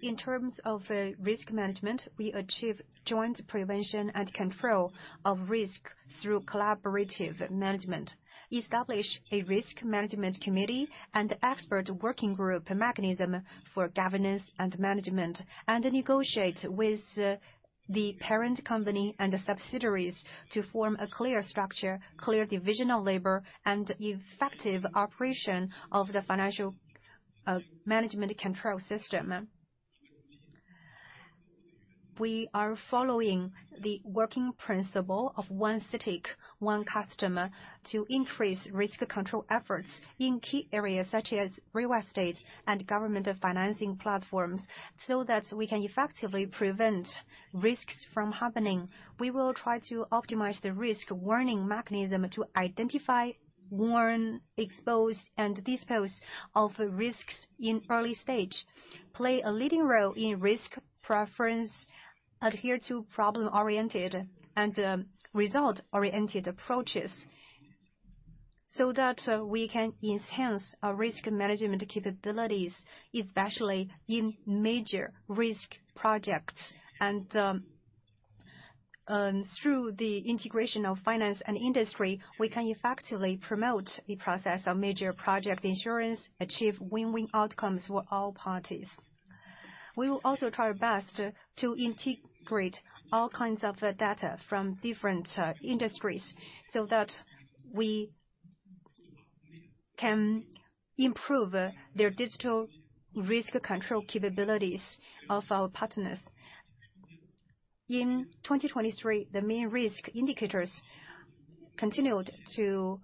In terms of risk management, we achieve joint prevention and control of risk through collaborative management, establish a risk management committee and expert working group mechanism for governance and management, and negotiate with the parent company and the subsidiaries to form a clear structure, clear division of labor, and effective operation of the financial management control system. We are following the working principle of One CITIC, One Customer to increase risk control efforts in key areas such as real estate and government financing platforms, so that we can effectively prevent risks from happening. We will try to optimize the risk warning mechanism to identify, warn, expose, and dispose of risks in early stage, play a leading role in risk preference, adhere to problem-oriented and result-oriented approaches, so that we can enhance our risk management capabilities, especially in major risk projects. And through the integration of finance and industry, we can effectively promote the process of major project insurance, achieve win-win outcomes for all parties. We will also try our best to integrate all kinds of data from different industries, so that we can improve their digital risk control capabilities of our partners. In 2023, the main risk indicators continued to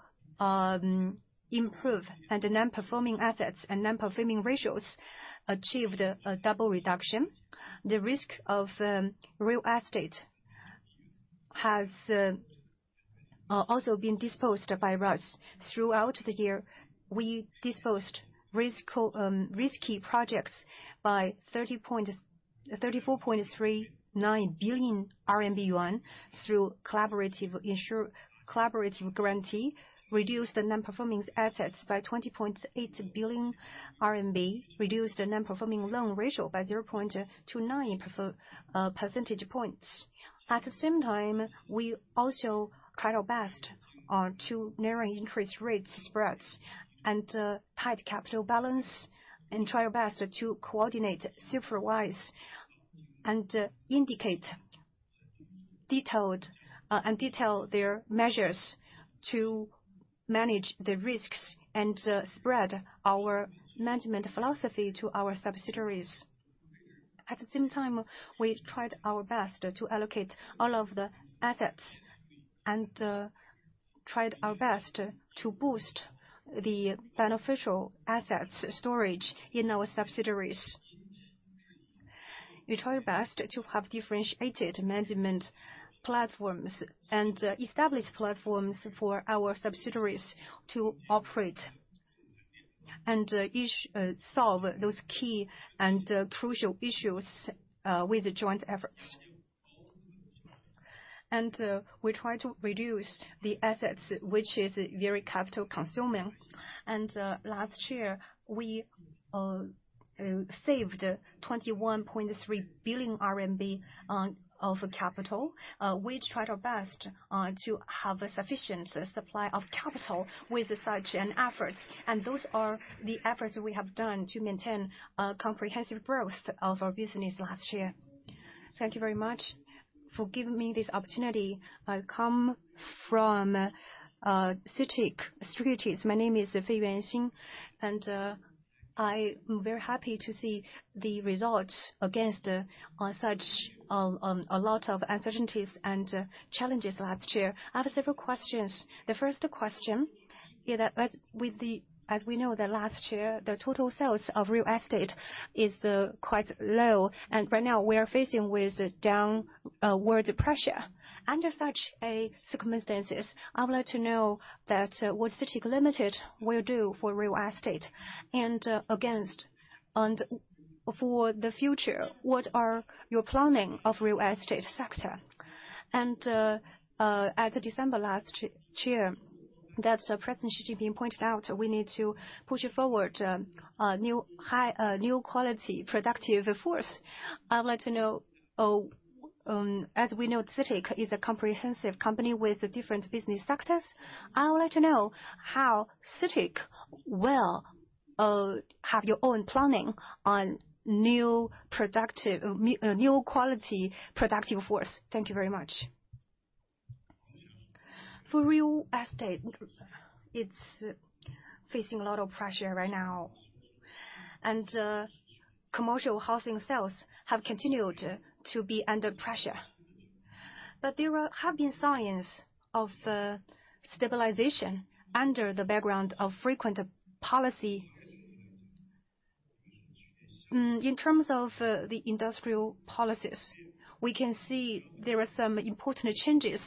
improve, and the non-performing assets and non-performing ratios achieved a double reduction. The risk of real estate has also been disposed by us. Throughout the year, we disposed risk, risky projects by 34.39 billion yuan through collaborative guarantee, reduced the non-performing assets by 20.8 billion RMB, reduced the non-performing loan ratio by 0.29 percentage points. At the same time, we also tried our best to narrow increase rate spreads and tied capital balance, and tried our best to coordinate, supervise, and indicate detailed and detail their measures to manage the risks and spread our management philosophy to our subsidiaries. At the same time, we tried our best to allocate all of the assets and tried our best to boost the beneficial assets storage in our subsidiaries. We tried our best to have differentiated management platforms and establish platforms for our subsidiaries to operate and solve those key and crucial issues with the joint efforts. We tried to reduce the assets, which is very capital consuming. Last year, we saved 21.3 billion RMB on of capital. We tried our best to have a sufficient supply of capital with such an efforts, and those are the efforts we have done to maintain comprehensive growth of our business last year. Thank you very much for giving me this opportunity. I come from CITIC Securities. My name is Yuan Fei, and I am very happy to see the results against on such a lot of uncertainties and challenges last year. I have several questions. The first question is that as we know, that last year, the total sales of real estate is quite low, and right now, we are facing with downward pressure. Under such circumstances, I would like to know that what CITIC Limited will do for real estate, and against and for the future, what are your planning of real estate sector? And at the December last year, that's President Xi Jinping pointed out we need to push forward new high New Quality Productive Force. I would like to know, as we know, CITIC is a comprehensive company with different business sectors. I would like to know how CITIC will have your own planning on new productive New Quality Productive Force. Thank you very much. For real estate, it's facing a lot of pressure right now, and commercial housing sales have continued to be under pressure. But there have been signs of stabilization under the background of frequent policy. In terms of the industrial policies, we can see there are some important changes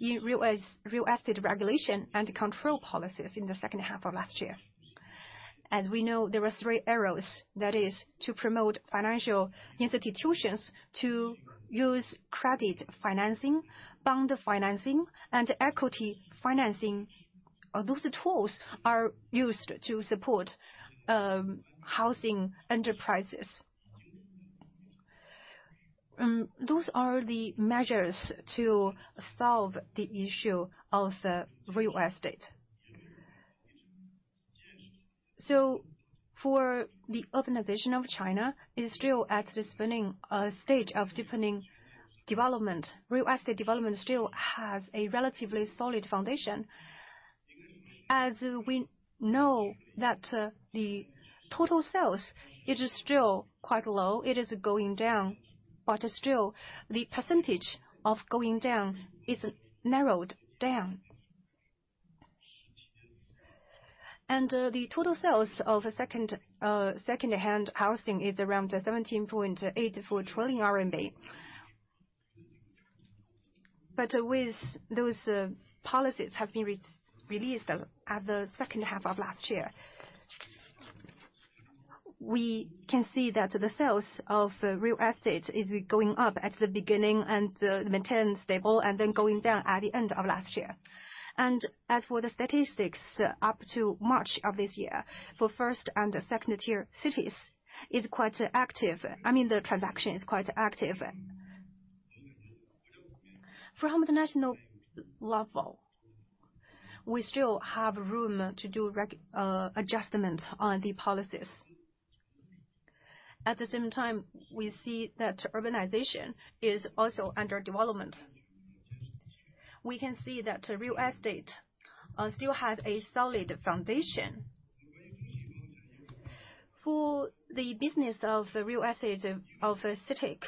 in real estate regulation and control policies in the second half of last year. As we know, there are three areas, that is, to promote financial institutions to use credit financing, bond financing, and equity financing. Those tools are used to support housing enterprises. Those are the measures to solve the issue of real estate. So for the urbanization of China, is still at the spinning stage of deepening development. Real estate development still has a relatively solid foundation. As we know that, the total sales, it is still quite low. It is going down, but still, the percentage of going down is narrowed down. And, the total sales of second-hand housing is around 17.84 trillion RMB. But with those, policies have been released at the second half of last year, we can see that the sales of real estate is going up at the beginning, and, maintained stable, and then going down at the end of last year. And as for the statistics, up to March of this year, for first and second-tier cities, is quite active. I mean, the transaction is quite active. From the national level, we still have room to do adjustment on the policies. At the same time, we see that urbanization is also under development. We can see that real estate still has a solid foundation. For the business of real estate of CITIC,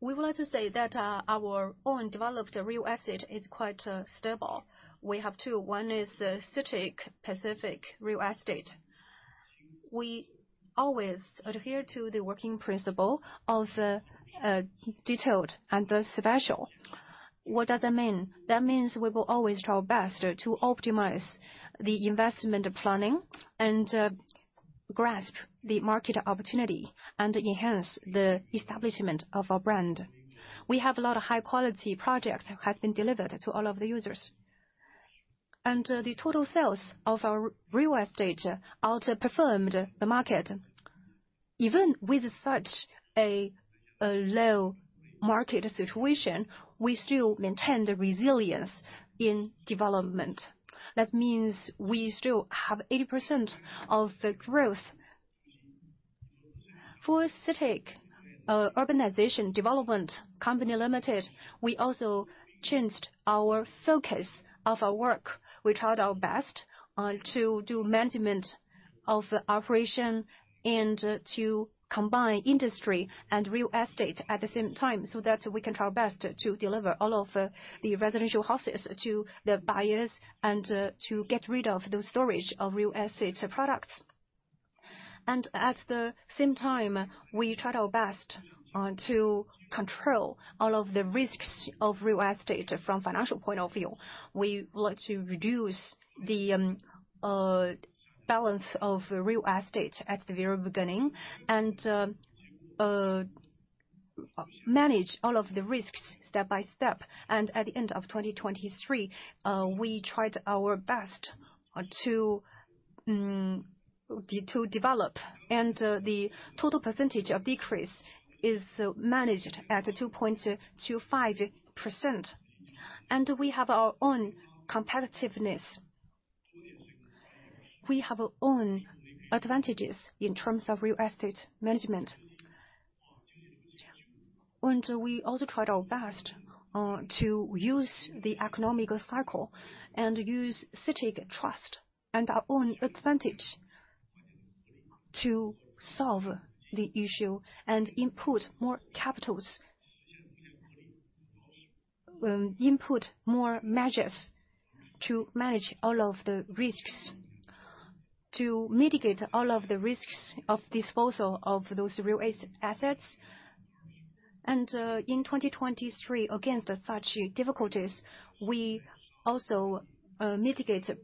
we would like to say that our own developed real estate is quite stable. We have two. One is CITIC Pacific Real Estate. We always adhere to the working principle of detailed and special. What does that mean? That means we will always try our best to optimize the investment planning, and grasp the market opportunity, and enhance the establishment of our brand. We have a lot of high-quality projects have been delivered to all of the users. The total sales of our real estate outperformed the market. Even with such a low market situation, we still maintain the resilience in development. That means we still have 80% of the growth. For CITIC, Urbanization Development Company Limited, we also changed our focus of our work. We tried our best to do management of operation and to combine industry and real estate at the same time, so that we can try our best to deliver all of the residential houses to the buyers and to get rid of the storage of real estate products. And at the same time, we tried our best to control all of the risks of real estate from financial point of view. We would like to reduce the balance of real estate at the very beginning, and manage all of the risks step by step. And at the end of 2023, we tried our best to develop, and the total percentage of decrease is managed at 2.25%. We have our own competitiveness. We have our own advantages in terms of real estate management. We also tried our best to use the economic cycle and use CITIC Trust and our own advantage to solve the issue and input more capital, input more measures to manage all of the risks, to mitigate all of the risks of disposal of those real estate assets. In 2023, against such difficulties, we also mitigated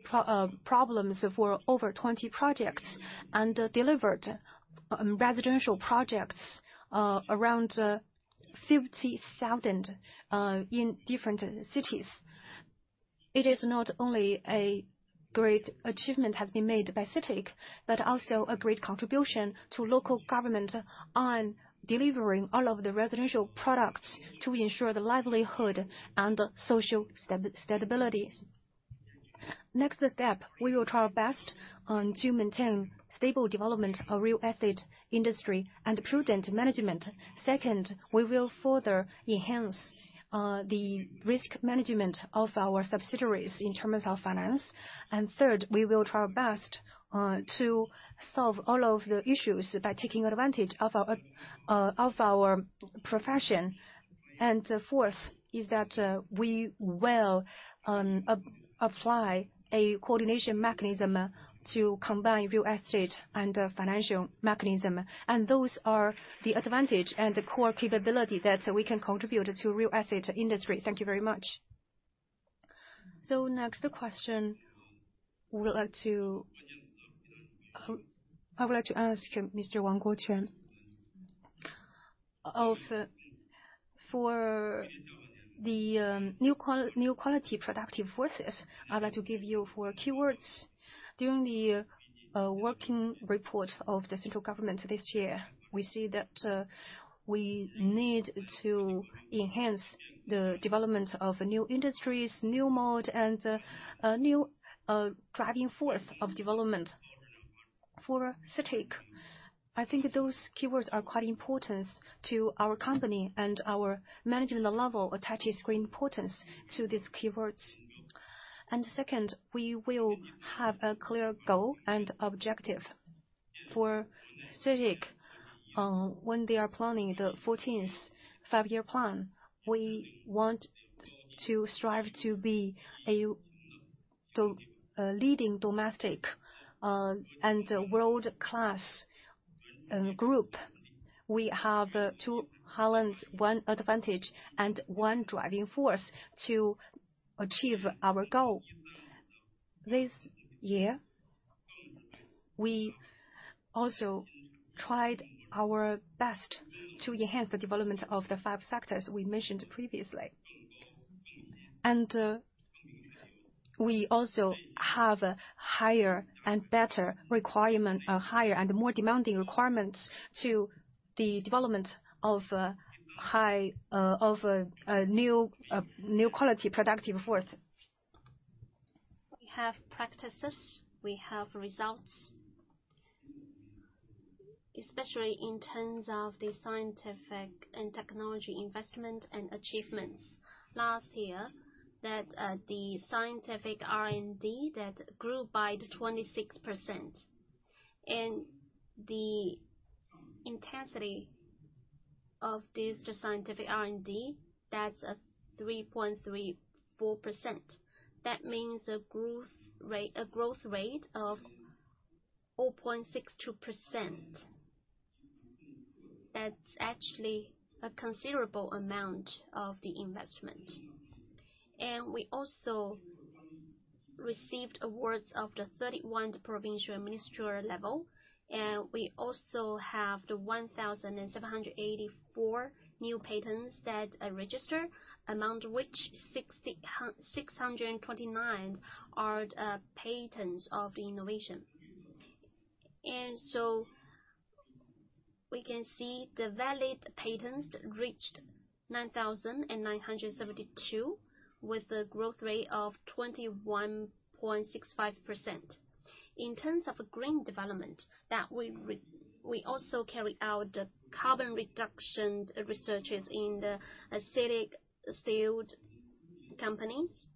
problems for over 20 projects, and delivered residential projects around 50,000 in different cities. It is not only a great achievement have been made by CITIC, but also a great contribution to local government on delivering all of the residential products to ensure the livelihood and social stability. Next step, we will try our best to maintain stable development of real estate industry and prudent management. Second, we will further enhance the risk management of our subsidiaries in terms of finance. And third, we will try our best to solve all of the issues by taking advantage of our profession. And fourth, is that we will apply a coordination mechanism to combine real estate and financial mechanism. And those are the advantage and the core capability that we can contribute to real estate industry. Thank you very much. So next question, we would like to... I would like to ask Mr. Wang Guoquan. For the New Quality Productive Forces, I'd like to give you four keywords. During the working report of the central government this year, we see that we need to enhance the development of new industries, new mode, and a new driving force of development. For CITIC, I think those keywords are quite important to our company, and our management level attaches great importance to these keywords. Second, we will have a clear goal and objective. For CITIC, when they are planning the 14th Five-Year Plan, we want to strive to be a leading domestic and a world-class group. We have two talents, one advantage, and one driving force to achieve our goal. This year, we also tried our best to enhance the development of the five sectors we mentioned previously. We also have a higher and better requirement, a higher and more demanding requirements to the development of a New Quality Productive Force.... We have practices, we have results. Especially in terms of the scientific and technology investment and achievements. Last year, that, the scientific R&D that grew by 26%. And the intensity of this, the scientific R&D, that's 3.34%. That means a growth rate, a growth rate of 0.62%. That's actually a considerable amount of the investment. And we also received awards of the 31 provincial ministerial level, and we also have the 1,784 new patents that are registered, among which 629 are patents of the innovation. And so we can see the valid patents reached 9,972, with a growth rate of 21.65%. In terms of green development, that we also carry out the carbon reduction researches in the CITIC steel companies.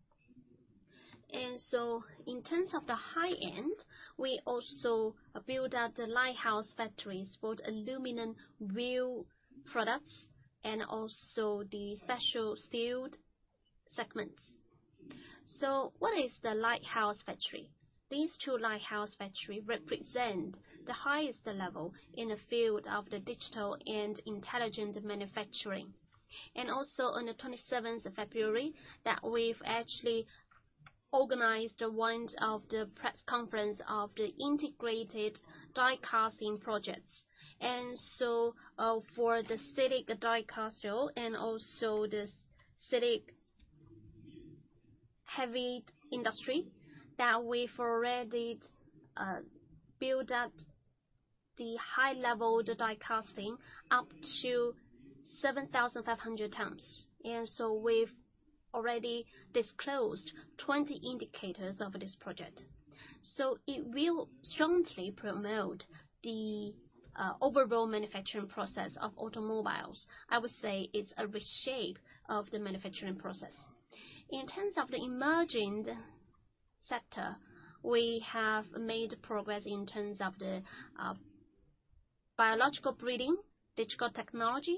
And so in terms of the high end, we also build out the Lighthouse Factories for the aluminum wheel products and also the special steel segments. So what is the Lighthouse Factory? These two Lighthouse Factory represent the highest level in the field of the digital and intelligent manufacturing. And also on the 27th of February, that we've actually organized one of the press conference of the integrated Dicastal projects. And so, for the CITIC Dicastal and also the CITIC Heavy Industries, that we've already built up the high-level Dicastal up to 7,500 tons. And so we've already disclosed 20 indicators of this project. So it will strongly promote the overall manufacturing process of automobiles. I would say it's a reshape of the manufacturing process. In terms of the emerging sector, we have made progress in terms of the biological breeding, digital technology,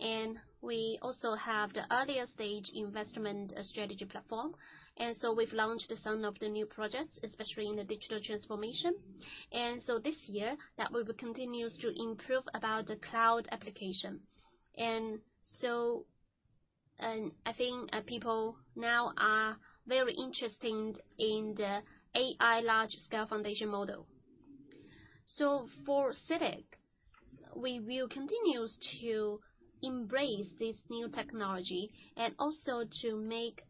and we also have the earlier stage investment strategy platform. And so we've launched some of the new projects, especially in the digital transformation. And so this year, that we will continue to improve about the cloud application. And so, and I think, people now are very interested in the AI large-scale foundation model. So for CITIC, we will continue to embrace this new technology and also to make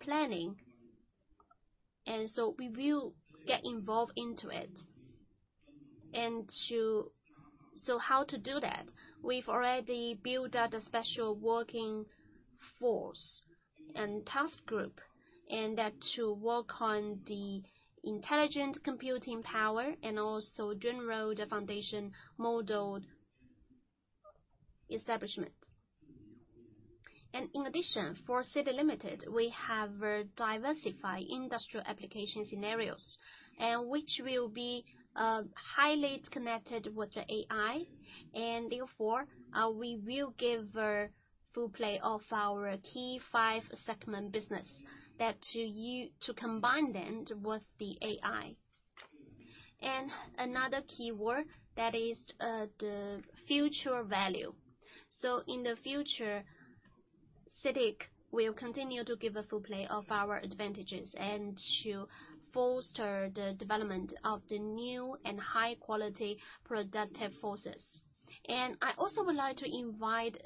planning, and so we will get involved into it. So how to do that? We've already built out a special working force and task group, and that to work on the intelligent computing power and also generate the foundation model establishment. In addition, for CITIC Limited, we have a diversified industrial application scenarios, and which will be, highly connected with the AI. And therefore, we will give a full play of our key five segment business, that to combine them with the AI. And another keyword, that is, the future value. So in the future, CITIC will continue to give a full play of our advantages and to foster the development of the new and high quality productive forces. And I also would like to invite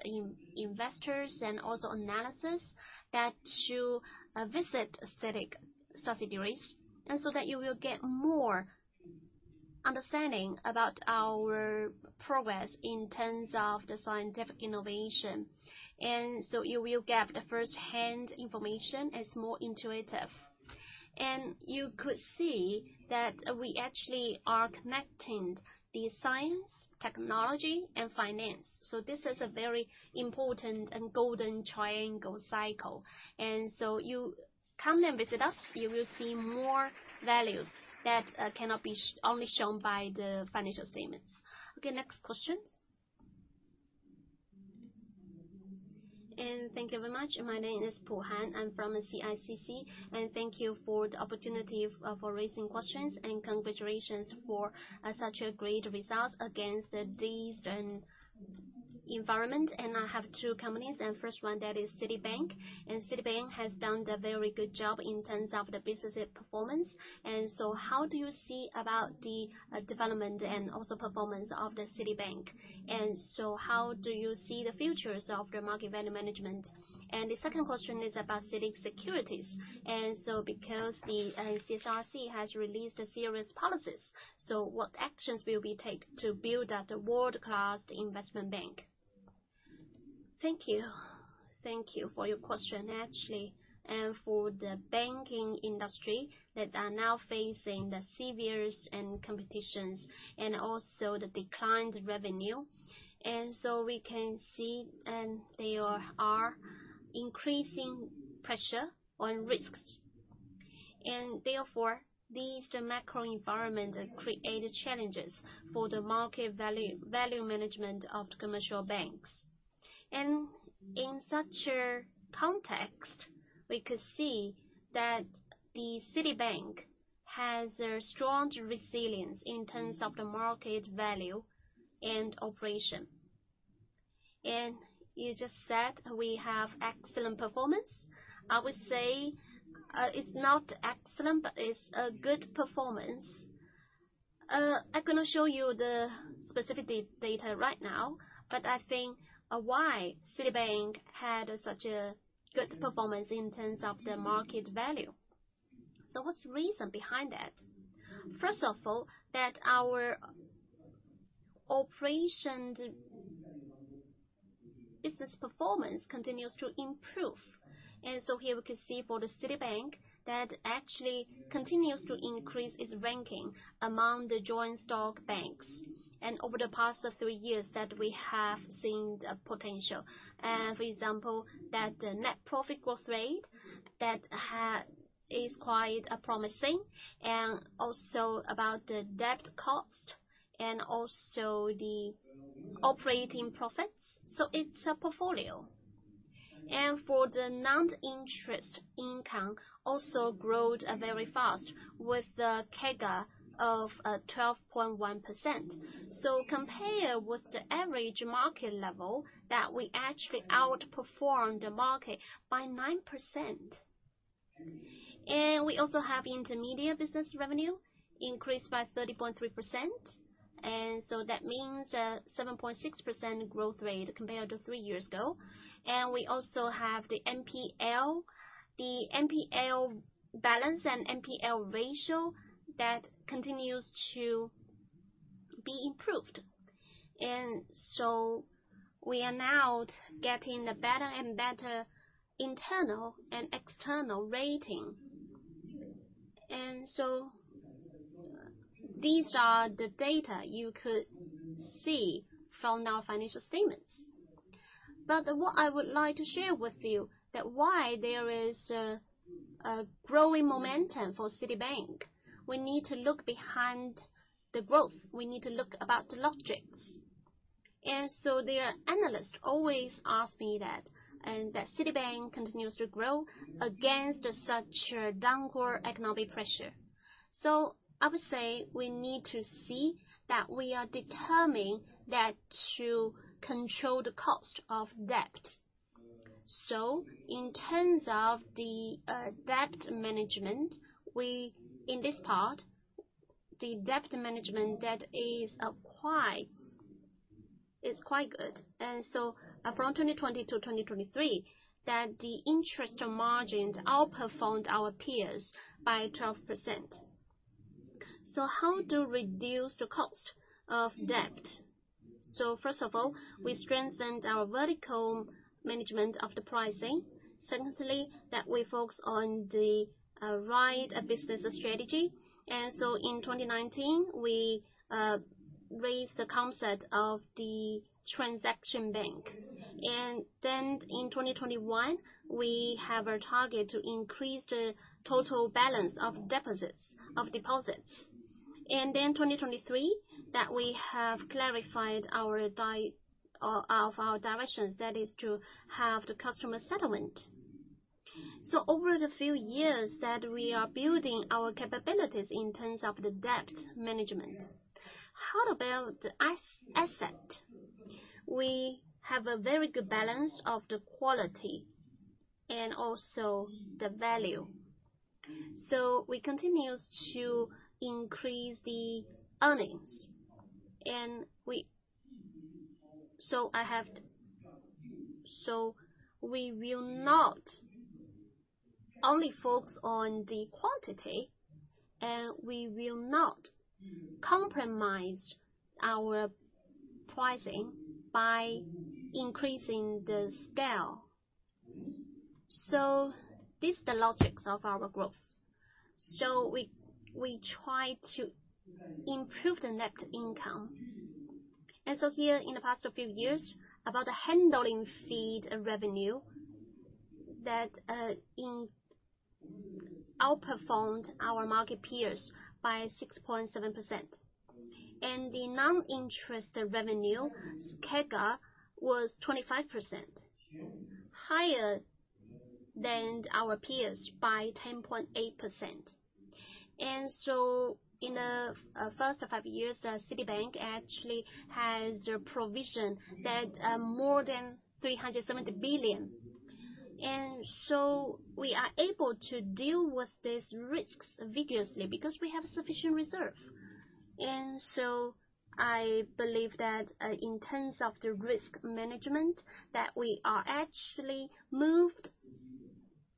investors and also analysts, that to, visit CITIC subsidiaries, and so that you will get more understanding about our progress in terms of the scientific innovation. And so you will get the first-hand information that's more intuitive. And you could see that we actually are connecting the science, technology, and finance. So this is a very important and golden triangle cycle. And so you come and visit us, you will see more values that cannot be only shown by the financial statements. Okay, next question? And thank you very much. My name is Han Pu, I'm from the CICC, and thank you for the opportunity for raising questions, and congratulations for such a great result against this environment. And I have two companies, and first one, that is CITIC Bank. And CITIC Bank has done a very good job in terms of the business performance. And so how do you see about the development and also performance of the CITIC Bank? And so how you see the futures of the market value management? And the second question is about CITIC Securities. Because the CSRC has released a series of policies, what actions will we take to build out a world-class investment bank? Thank you. Thank you for your question, actually. For the banking industry that are now facing the severest competition and also the declining revenue, we can see there are increasing pressure on risks, and therefore the macro environment creates challenges for the market value management of the commercial banks. In such a context, we could see that the CITIC Bank has a strong resilience in terms of the market value and operation. You just said we have excellent performance. I would say it's not excellent, but it's a good performance. I'm gonna show you the specific data right now, but I think, why CITIC Bank had such a good performance in terms of the market value. So what's the reason behind that? First of all, that our operation business performance continues to improve. And so here we can see for the CITIC Bank, that actually continues to increase its ranking among the joint stock banks. And over the past three years that we have seen the potential, for example, that the net profit growth rate that is quite, promising, and also about the debt cost and also the operating profits. So it's a portfolio. And for the non-interest income also growth very fast with the CAGR of 12.1%. So compared with the average market level, that we actually outperformed the market by 9%. We also have intermediate business revenue increased by 30.3%, and so that means a 7.6% growth rate compared to three years ago. We also have the NPL. The NPL balance and NPL ratio that continues to be improved. We are now getting a better and better internal and external rating. These are the data you could see from our financial statements. But what I would like to share with you is why there is a growing momentum for CITIC Bank. We need to look behind the growth. We need to look about the logics. The analysts always ask me that, and that CITIC Bank continues to grow against such a downward economic pressure. I would say, we need to see that we are determined to control the cost of debt. So in terms of the debt management, we—in this part, the debt management, that is quite, it's quite good. And so from 2020 to 2023, that the interest margins outperformed our peers by 12%. So how to reduce the cost of debt? So first of all, we strengthened our vertical management of the pricing. Secondly, that we focus on the right business strategy. And so in 2019, we raised the concept of the transaction bank. And then in 2021, we have a target to increase the total balance of deposits, of deposits. And then 2023, that we have clarified our direction of our directions, that is to have the customer settlement. So over the few years, that we are building our capabilities in terms of the debt management. How about the asset? We have a very good balance of the quality and also the value. So we continue to increase the earnings, and we will not only focus on the quantity, and we will not compromise our pricing by increasing the scale. So this is the logic of our growth. So we try to improve the net income. And so here, in the past few years, about the handling fee and revenue that outperformed our market peers by 6.7%. And the non-interest revenue, CAGR, was 25%, higher than our peers by 10.8%. And so in the first five years, CITIC Bank actually has a provision that more than $370 billion. And so we are able to deal with these risks vigorously because we have sufficient reserve. I believe that, in terms of the risk management, that we are actually moved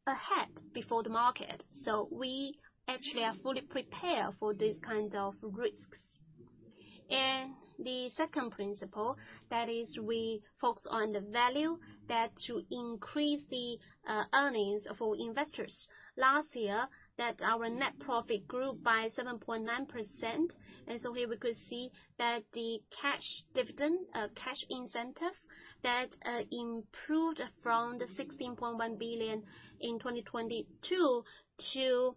ahead before the market, so we actually are fully prepared for these kind of risks. The second principle, that is, we focus on the value that to increase the, earnings for investors. Last year, our net profit grew by 7.9%, and so here we could see that the cash dividend, cash incentive, that improved from 16.1 billion in 2022 to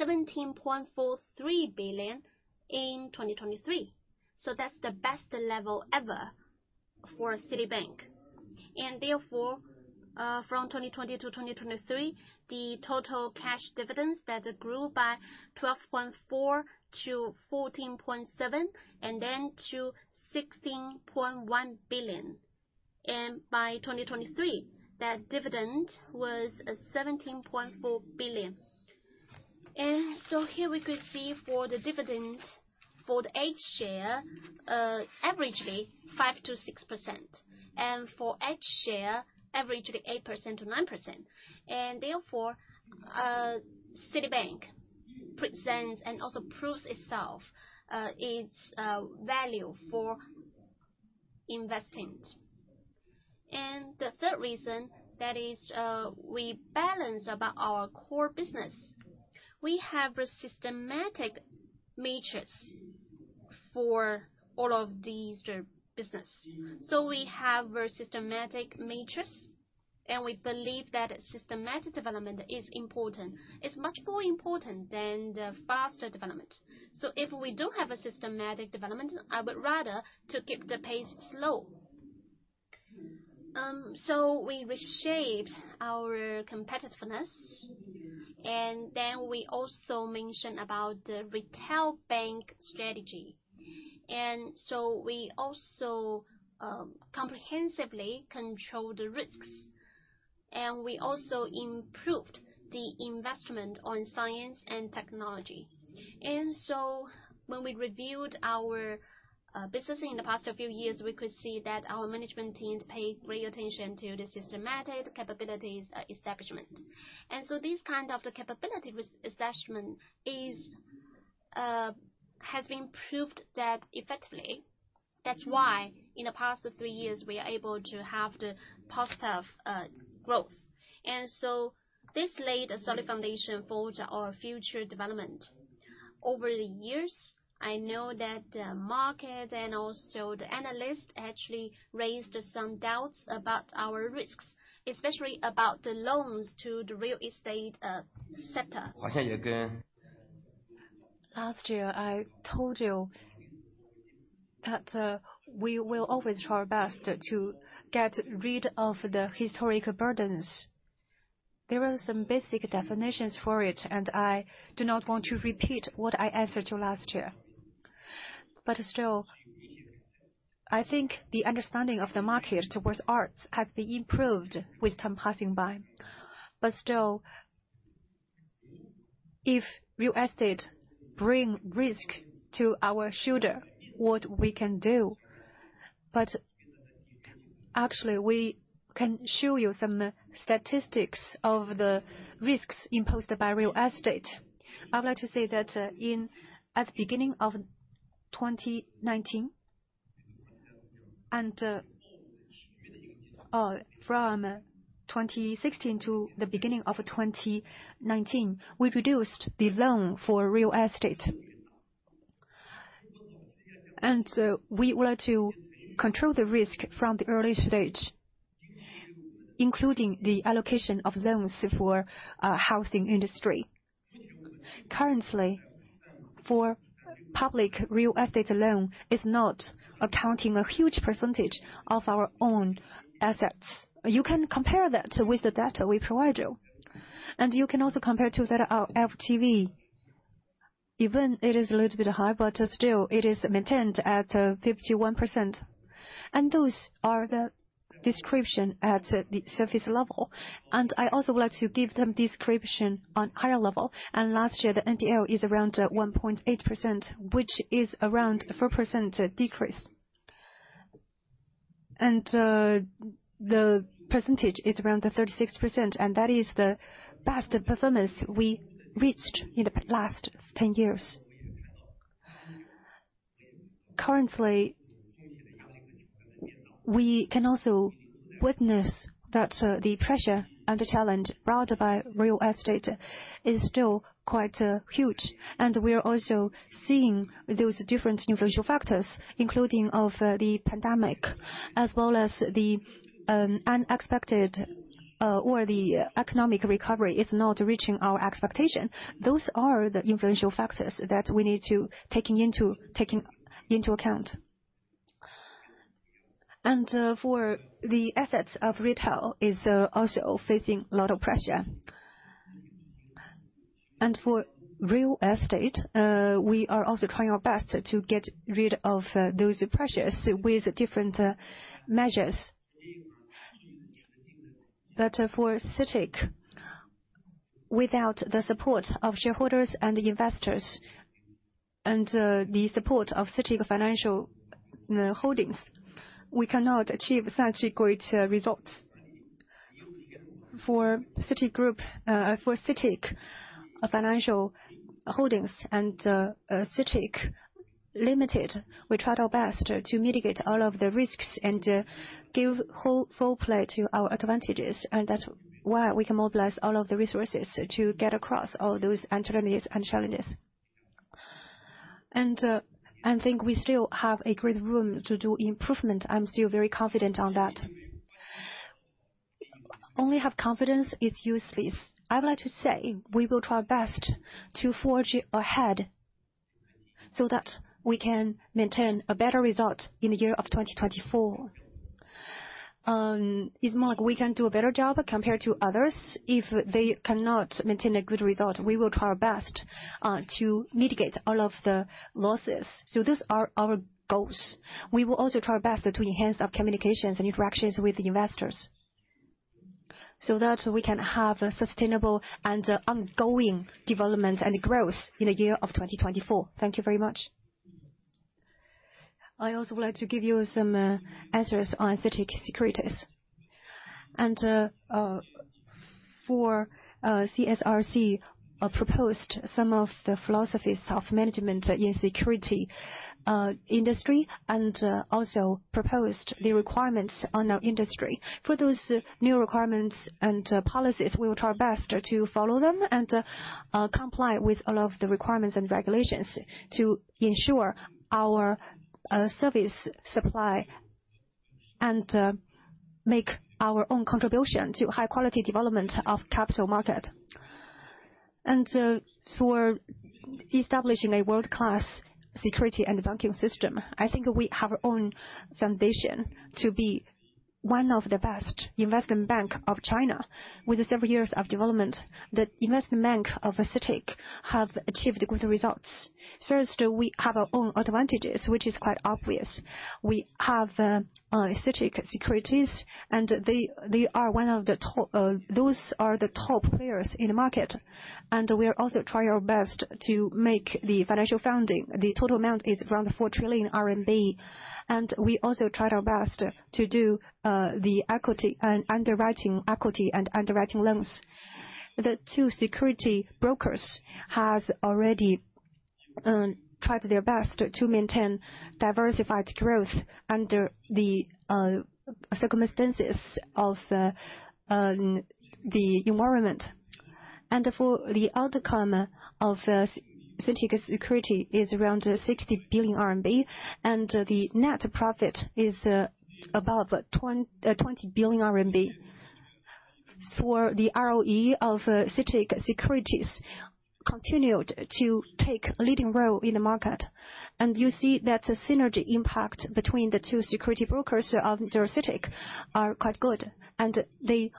17.43 billion in 2023. So that's the best level ever for CITIC. And therefore, from 2020 to 2023, the total cash dividends that grew by 12.4-14.7, and then to 16.1 billion. And by 2023, that dividend was, seventeen point four billion. Here we could see for the dividend, for the H share, averagely 5%-6%. For H share, averagely 8%-9%. Therefore, CITIC Bank presents and also proves itself, its value for investing. The third reason, that is, we balance about our core business. We have a systematic matrix for all of these, business. We have a systematic matrix, and we believe that a systematic development is important. It's much more important than the faster development. If we don't have a systematic development, I would rather to keep the pace slow. We reshaped our competitiveness, and then we also mentioned about the retail bank strategy. We also comprehensively control the risks, and we also improved the investment on science and technology. And so when we reviewed our business in the past few years, we could see that our management teams pay great attention to the systematic capabilities establishment. And so this kind of the capability reassessment is has been proved that effectively. That's why in the past three years, we are able to have the positive growth. And so this laid a solid foundation for our future development. Over the years, I know that the market and also the analysts actually raised some doubts about our risks, especially about the loans to the real estate sector. Last year, I told you that we will always try our best to get rid of the historic burdens. There are some basic definitions for it, and I do not want to repeat what I answered you last year. But still, I think the understanding of the market towards arts has been improved with time passing by. But still, if real estate bring risk to our shoulder, what we can do? But actually, we can show you some statistics of the risks imposed by real estate. I would like to say that in at the beginning of 2019, and from 2016 to the beginning of 2019, we reduced the loan for real estate. And we want to control the risk from the early stage, including the allocation of loans for housing industry. Currently, for public real estate loan is not accounting a huge percentage of our own assets. You can compare that with the data we provide you, and you can also compare to that our LTV. Even it is a little bit high, but still, it is maintained at 51%. Those are the description at the surface level. I also would like to give them description on higher level. Last year, the NPL is around 1.8%, which is around 4% decrease. The percentage is around the 36%, and that is the best performance we reached in the past last 10 years. Currently, we can also witness that the pressure and the challenge brought by real estate is still quite huge. We are also seeing those different influential factors, including of, the pandemic, as well as the, unexpected, or the economic recovery is not reaching our expectation. Those are the influential factors that we need to taking into account. For the assets of retail is also facing a lot of pressure. And for real estate, we are also trying our best to get rid of those pressures with different measures. But for CITIC... Without the support of shareholders and the investors, and the support of CITIC Financial Holdings, we cannot achieve such great results. For CITIC Group, for CITIC Financial Holdings and CITIC Limited, we tried our best to mitigate all of the risks and give full play to our advantages, and that's why we can mobilize all of the resources to get across all those uncertainties and challenges. I think we still have a great room to do improvement. I'm still very confident on that. Only have confidence is useless. I would like to say we will try our best to forge ahead so that we can maintain a better result in the year of 2024. It's more like we can do a better job compared to others. If they cannot maintain a good result, we will try our best to mitigate all of the losses. So those are our goals. We will also try our best to enhance our communications and interactions with the investors so that we can have a sustainable and ongoing development and growth in the year of 2024. Thank you very much. I also would like to give you some answers on CITIC Securities. For CSRC proposed some of the philosophies of management in securities industry, and also proposed the requirements on our industry. For those new requirements and policies, we will try our best to follow them and comply with all of the requirements and regulations to ensure our service supply, and make our own contribution to high quality development of capital market. For establishing a world-class securities and banking system, I think we have our own foundation to be one of the best investment bank of China. With the several years of development, the investment bank of CITIC have achieved good results. First, we have our own advantages, which is quite obvious. We have CITIC Securities, and they, they are one of the top, those are the top players in the market. And we are also try our best to make the financial funding. The total amount is around 4 trillion RMB, and we also tried our best to do the equity and underwriting, equity and underwriting loans. The two securities brokers has already tried their best to maintain diversified growth under the circumstances of the environment. And for the outcome of CITIC Securities is around 60 billion RMB, and the net profit is above twenty billion RMB. For the ROE of CITIC Securities continued to take leading role in the market. And you see that the synergy impact between the two security brokers under CITIC are quite good, and they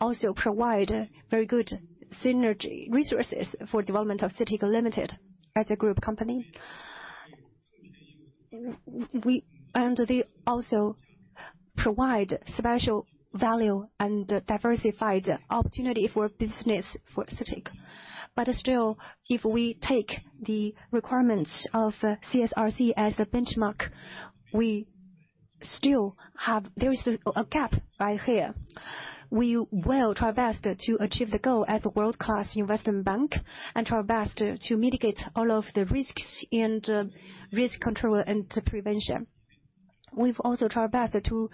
also provide very good synergy resources for development of CITIC Limited as a group company. And they also provide special value and diversified opportunity for business for CITIC. But still, if we take the requirements of CSRC as the benchmark, we still have there is a gap right here. We will try our best to achieve the goal as a world-class investment bank and try our best to mitigate all of the risks and risk control and prevention. We've also tried our best to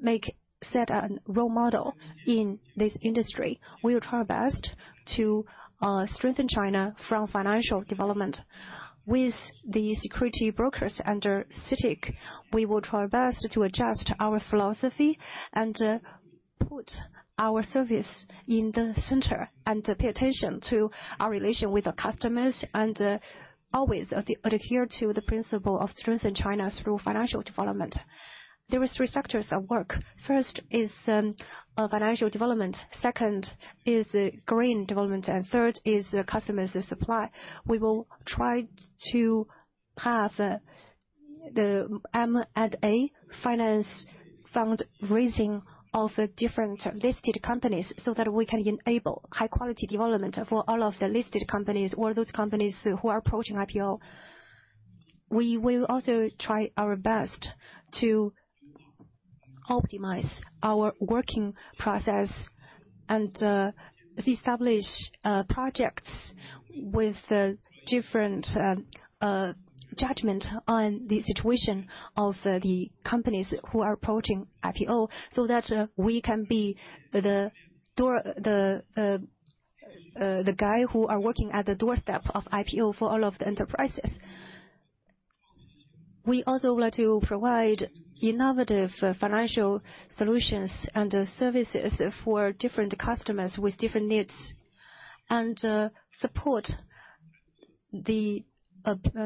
make set a role model in this industry. We will try our best to strengthen China from financial development. With the security brokers under CITIC, we will try our best to adjust our philosophy, and put our service in the center, and pay attention to our relation with the customers, and always adhere to the principle of strengthen China through financial development. There is three sectors at work. First is financial development, second is green development, and third is customers' supply. We will try to have the M&A finance fund raising of different listed companies, so that we can enable high quality development for all of the listed companies or those companies who are approaching IPO. We will also try our best to optimize our working process and establish projects with different judgment on the situation of the companies who are approaching IPO, so that we can be the door, the guy who are working at the doorstep of IPO for all of the enterprises. We also would like to provide innovative financial solutions and services for different customers with different needs, and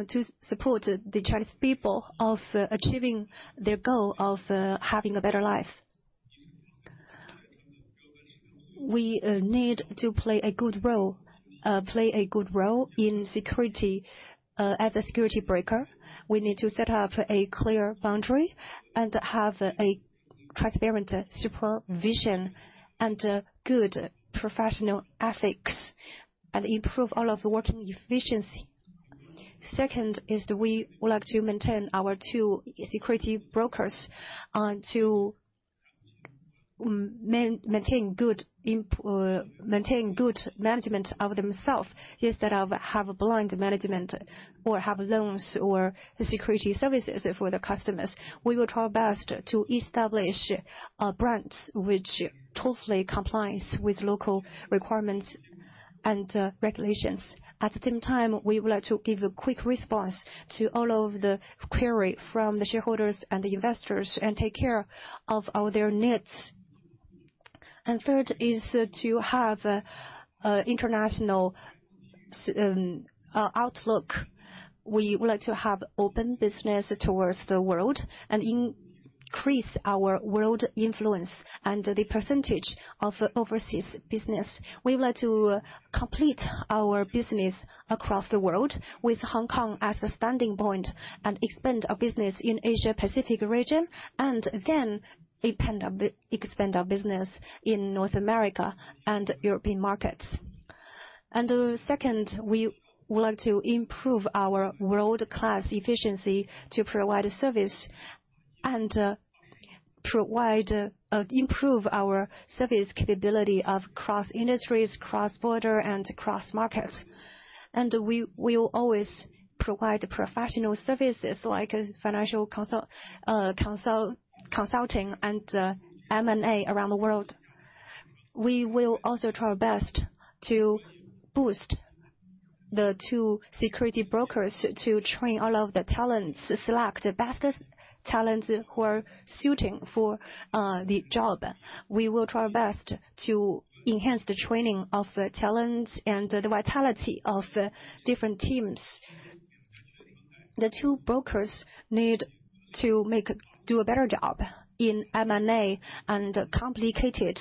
to support the Chinese people of achieving their goal of having a better life. We need to play a good role in securities. As a securities broker, we need to set up a clear boundary and have transparent supervision and good professional ethics, and improve all of the working efficiency. Second is that we would like to maintain our two security brokers, to maintain good management of themselves, instead of have a blind management or have loans or security services for the customers. We will try our best to establish brands which totally complies with local requirements and regulations. At the same time, we would like to give a quick response to all of the query from the shareholders and the investors, and take care of all their needs. Third is to have a international outlook. We would like to have open business towards the world and increase our world influence and the percentage of overseas business. We would like to complete our business across the world with Hong Kong as a standing point, and expand our business in Asia Pacific region, and then expand our business in North America and European markets. Second, we would like to improve our world-class efficiency to provide a service and provide, improve our service capability of cross-industries, cross-border, and cross-markets. We will always provide professional services like financial consulting and M&A around the world. We will also try our best to boost the two securities brokers to train all of the talents, select the best talents who are suiting for the job. We will try our best to enhance the training of talents and the vitality of different teams. The two brokers need to make do a better job in M&A and complicated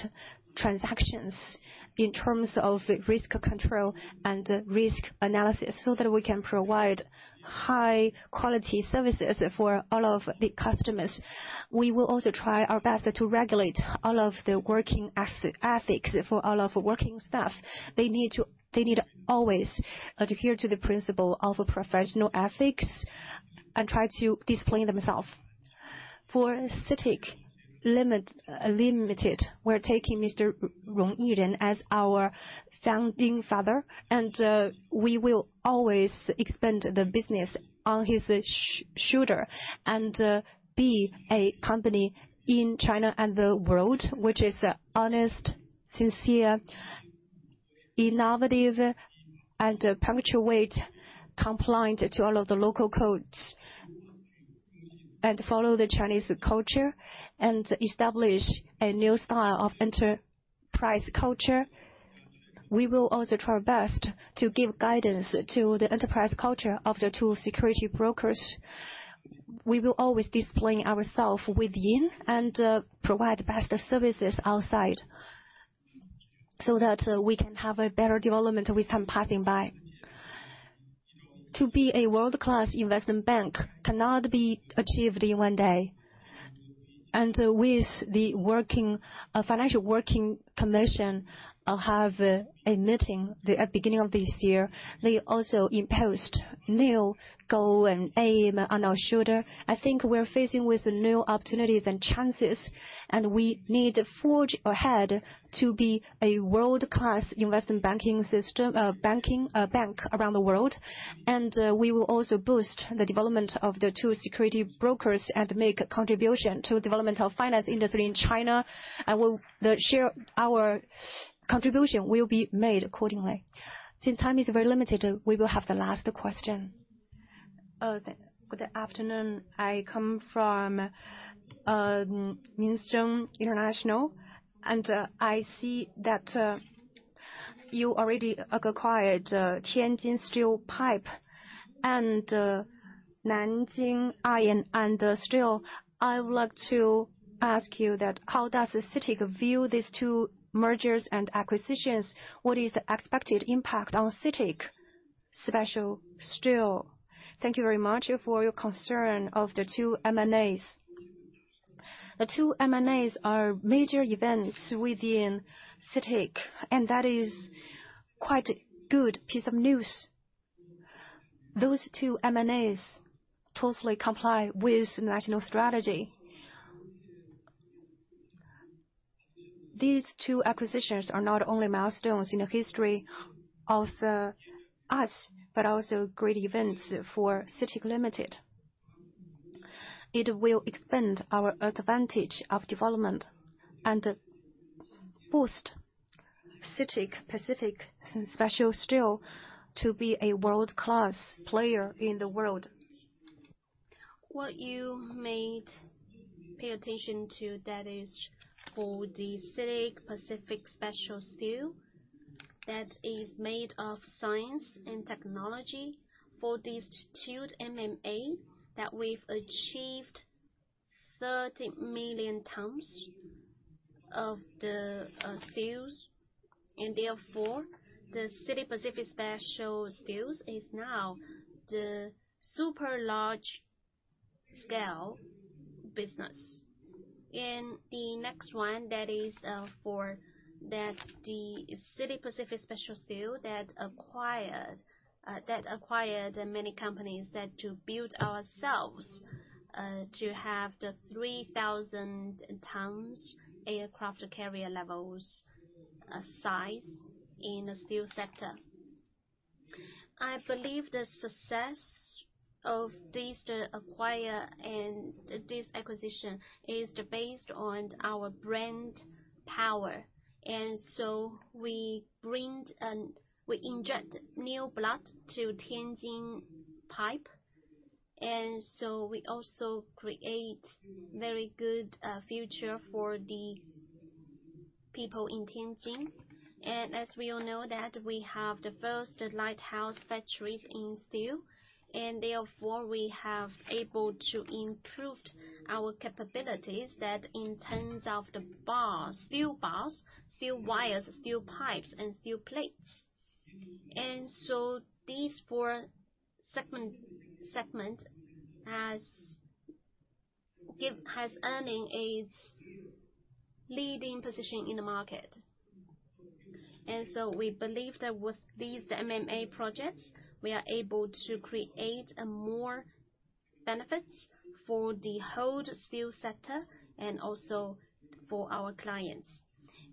transactions in terms of risk control and risk analysis, so that we can provide high-quality services for all of the customers. We will also try our best to regulate all of the working ethics for all of our working staff. They need to always adhere to the principle of professional ethics and try to discipline themselves. For CITIC Limited, we're taking Mr. Rong Yiren as our founding father, and we will always expand the business on his shoulder, and be a company in China and the world, which is honest, sincere, innovative, and perpetuate compliance to all of the local codes, and follow the Chinese culture, and establish a new style of enterprise culture. We will also try our best to give guidance to the enterprise culture of the two securities brokers. We will always discipline ourself within, and, provide the best services outside, so that, we can have a better development with time passing by. To be a world-class investment bank cannot be achieved in one day. With the financial working commission have a meeting at the beginning of this year. They also imposed new goal and aim on our shoulder. I think we're facing with new opportunities and chances, and we need to forge ahead to be a world-class investment banking system, banking, bank around the world. And we will also boost the development of the two securities brokers and make a contribution to the development of finance industry in China, and will share our contribution will be made accordingly. Since time is very limited, we will have the last question. Good afternoon. I come from Minsheng Securities, and I see that you already acquired Tianjin Pipe Corporation and Nanjing Iron & Steel. I would like to ask you that, how does CITIC view these two mergers and acquisitions? What is the expected impact on CITIC Pacific Special Steel? Thank you very much for your concern of the two M&As. The two M&As are major events within CITIC, and that is quite a good piece of news. Those two M&As totally comply with national strategy. These two acquisitions are not only milestones in the history of us, but also great events for CITIC Limited. It will expand our advantage of development and boost CITIC Pacific Special Steel to be a world-class player in the world. What you made pay attention to, that is for the CITIC Pacific Special Steel, that is made of science and technology for these two M&A that we've achieved 30 million tons of the steels, and therefore, the CITIC Pacific Special Steel is now the super large-scale business. The next one, that is, for that the CITIC Pacific Special Steel that acquired, that acquired many companies that to build ourselves, to have the 3,000 tons aircraft carrier levels size in the steel sector. I believe the success of this acquire and this acquisition is based on our brand power. So we bringed. We inject new blood to Tianjin Pipe, and so we also create very good future for the people in Tianjin. As we all know, we have the first Lighthouse Factories in steel, and therefore, we have been able to improve our capabilities in terms of the bars, steel bars, steel wires, steel pipes, and steel plates. These four segments have earned their leading position in the market. We believe that with these M&A projects, we are able to create more benefits for the whole steel sector and also for our clients.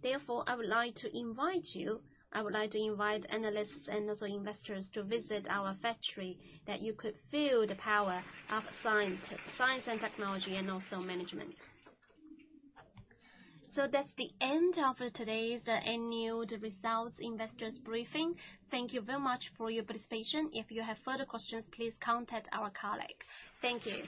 Therefore, I would like to invite analysts and investors to visit our factory, so that you could feel the power of science and technology, and also management. That's the end of today's annual results investor briefing. Thank you very much for your participation. If you have further questions, please contact our colleague. Thank you.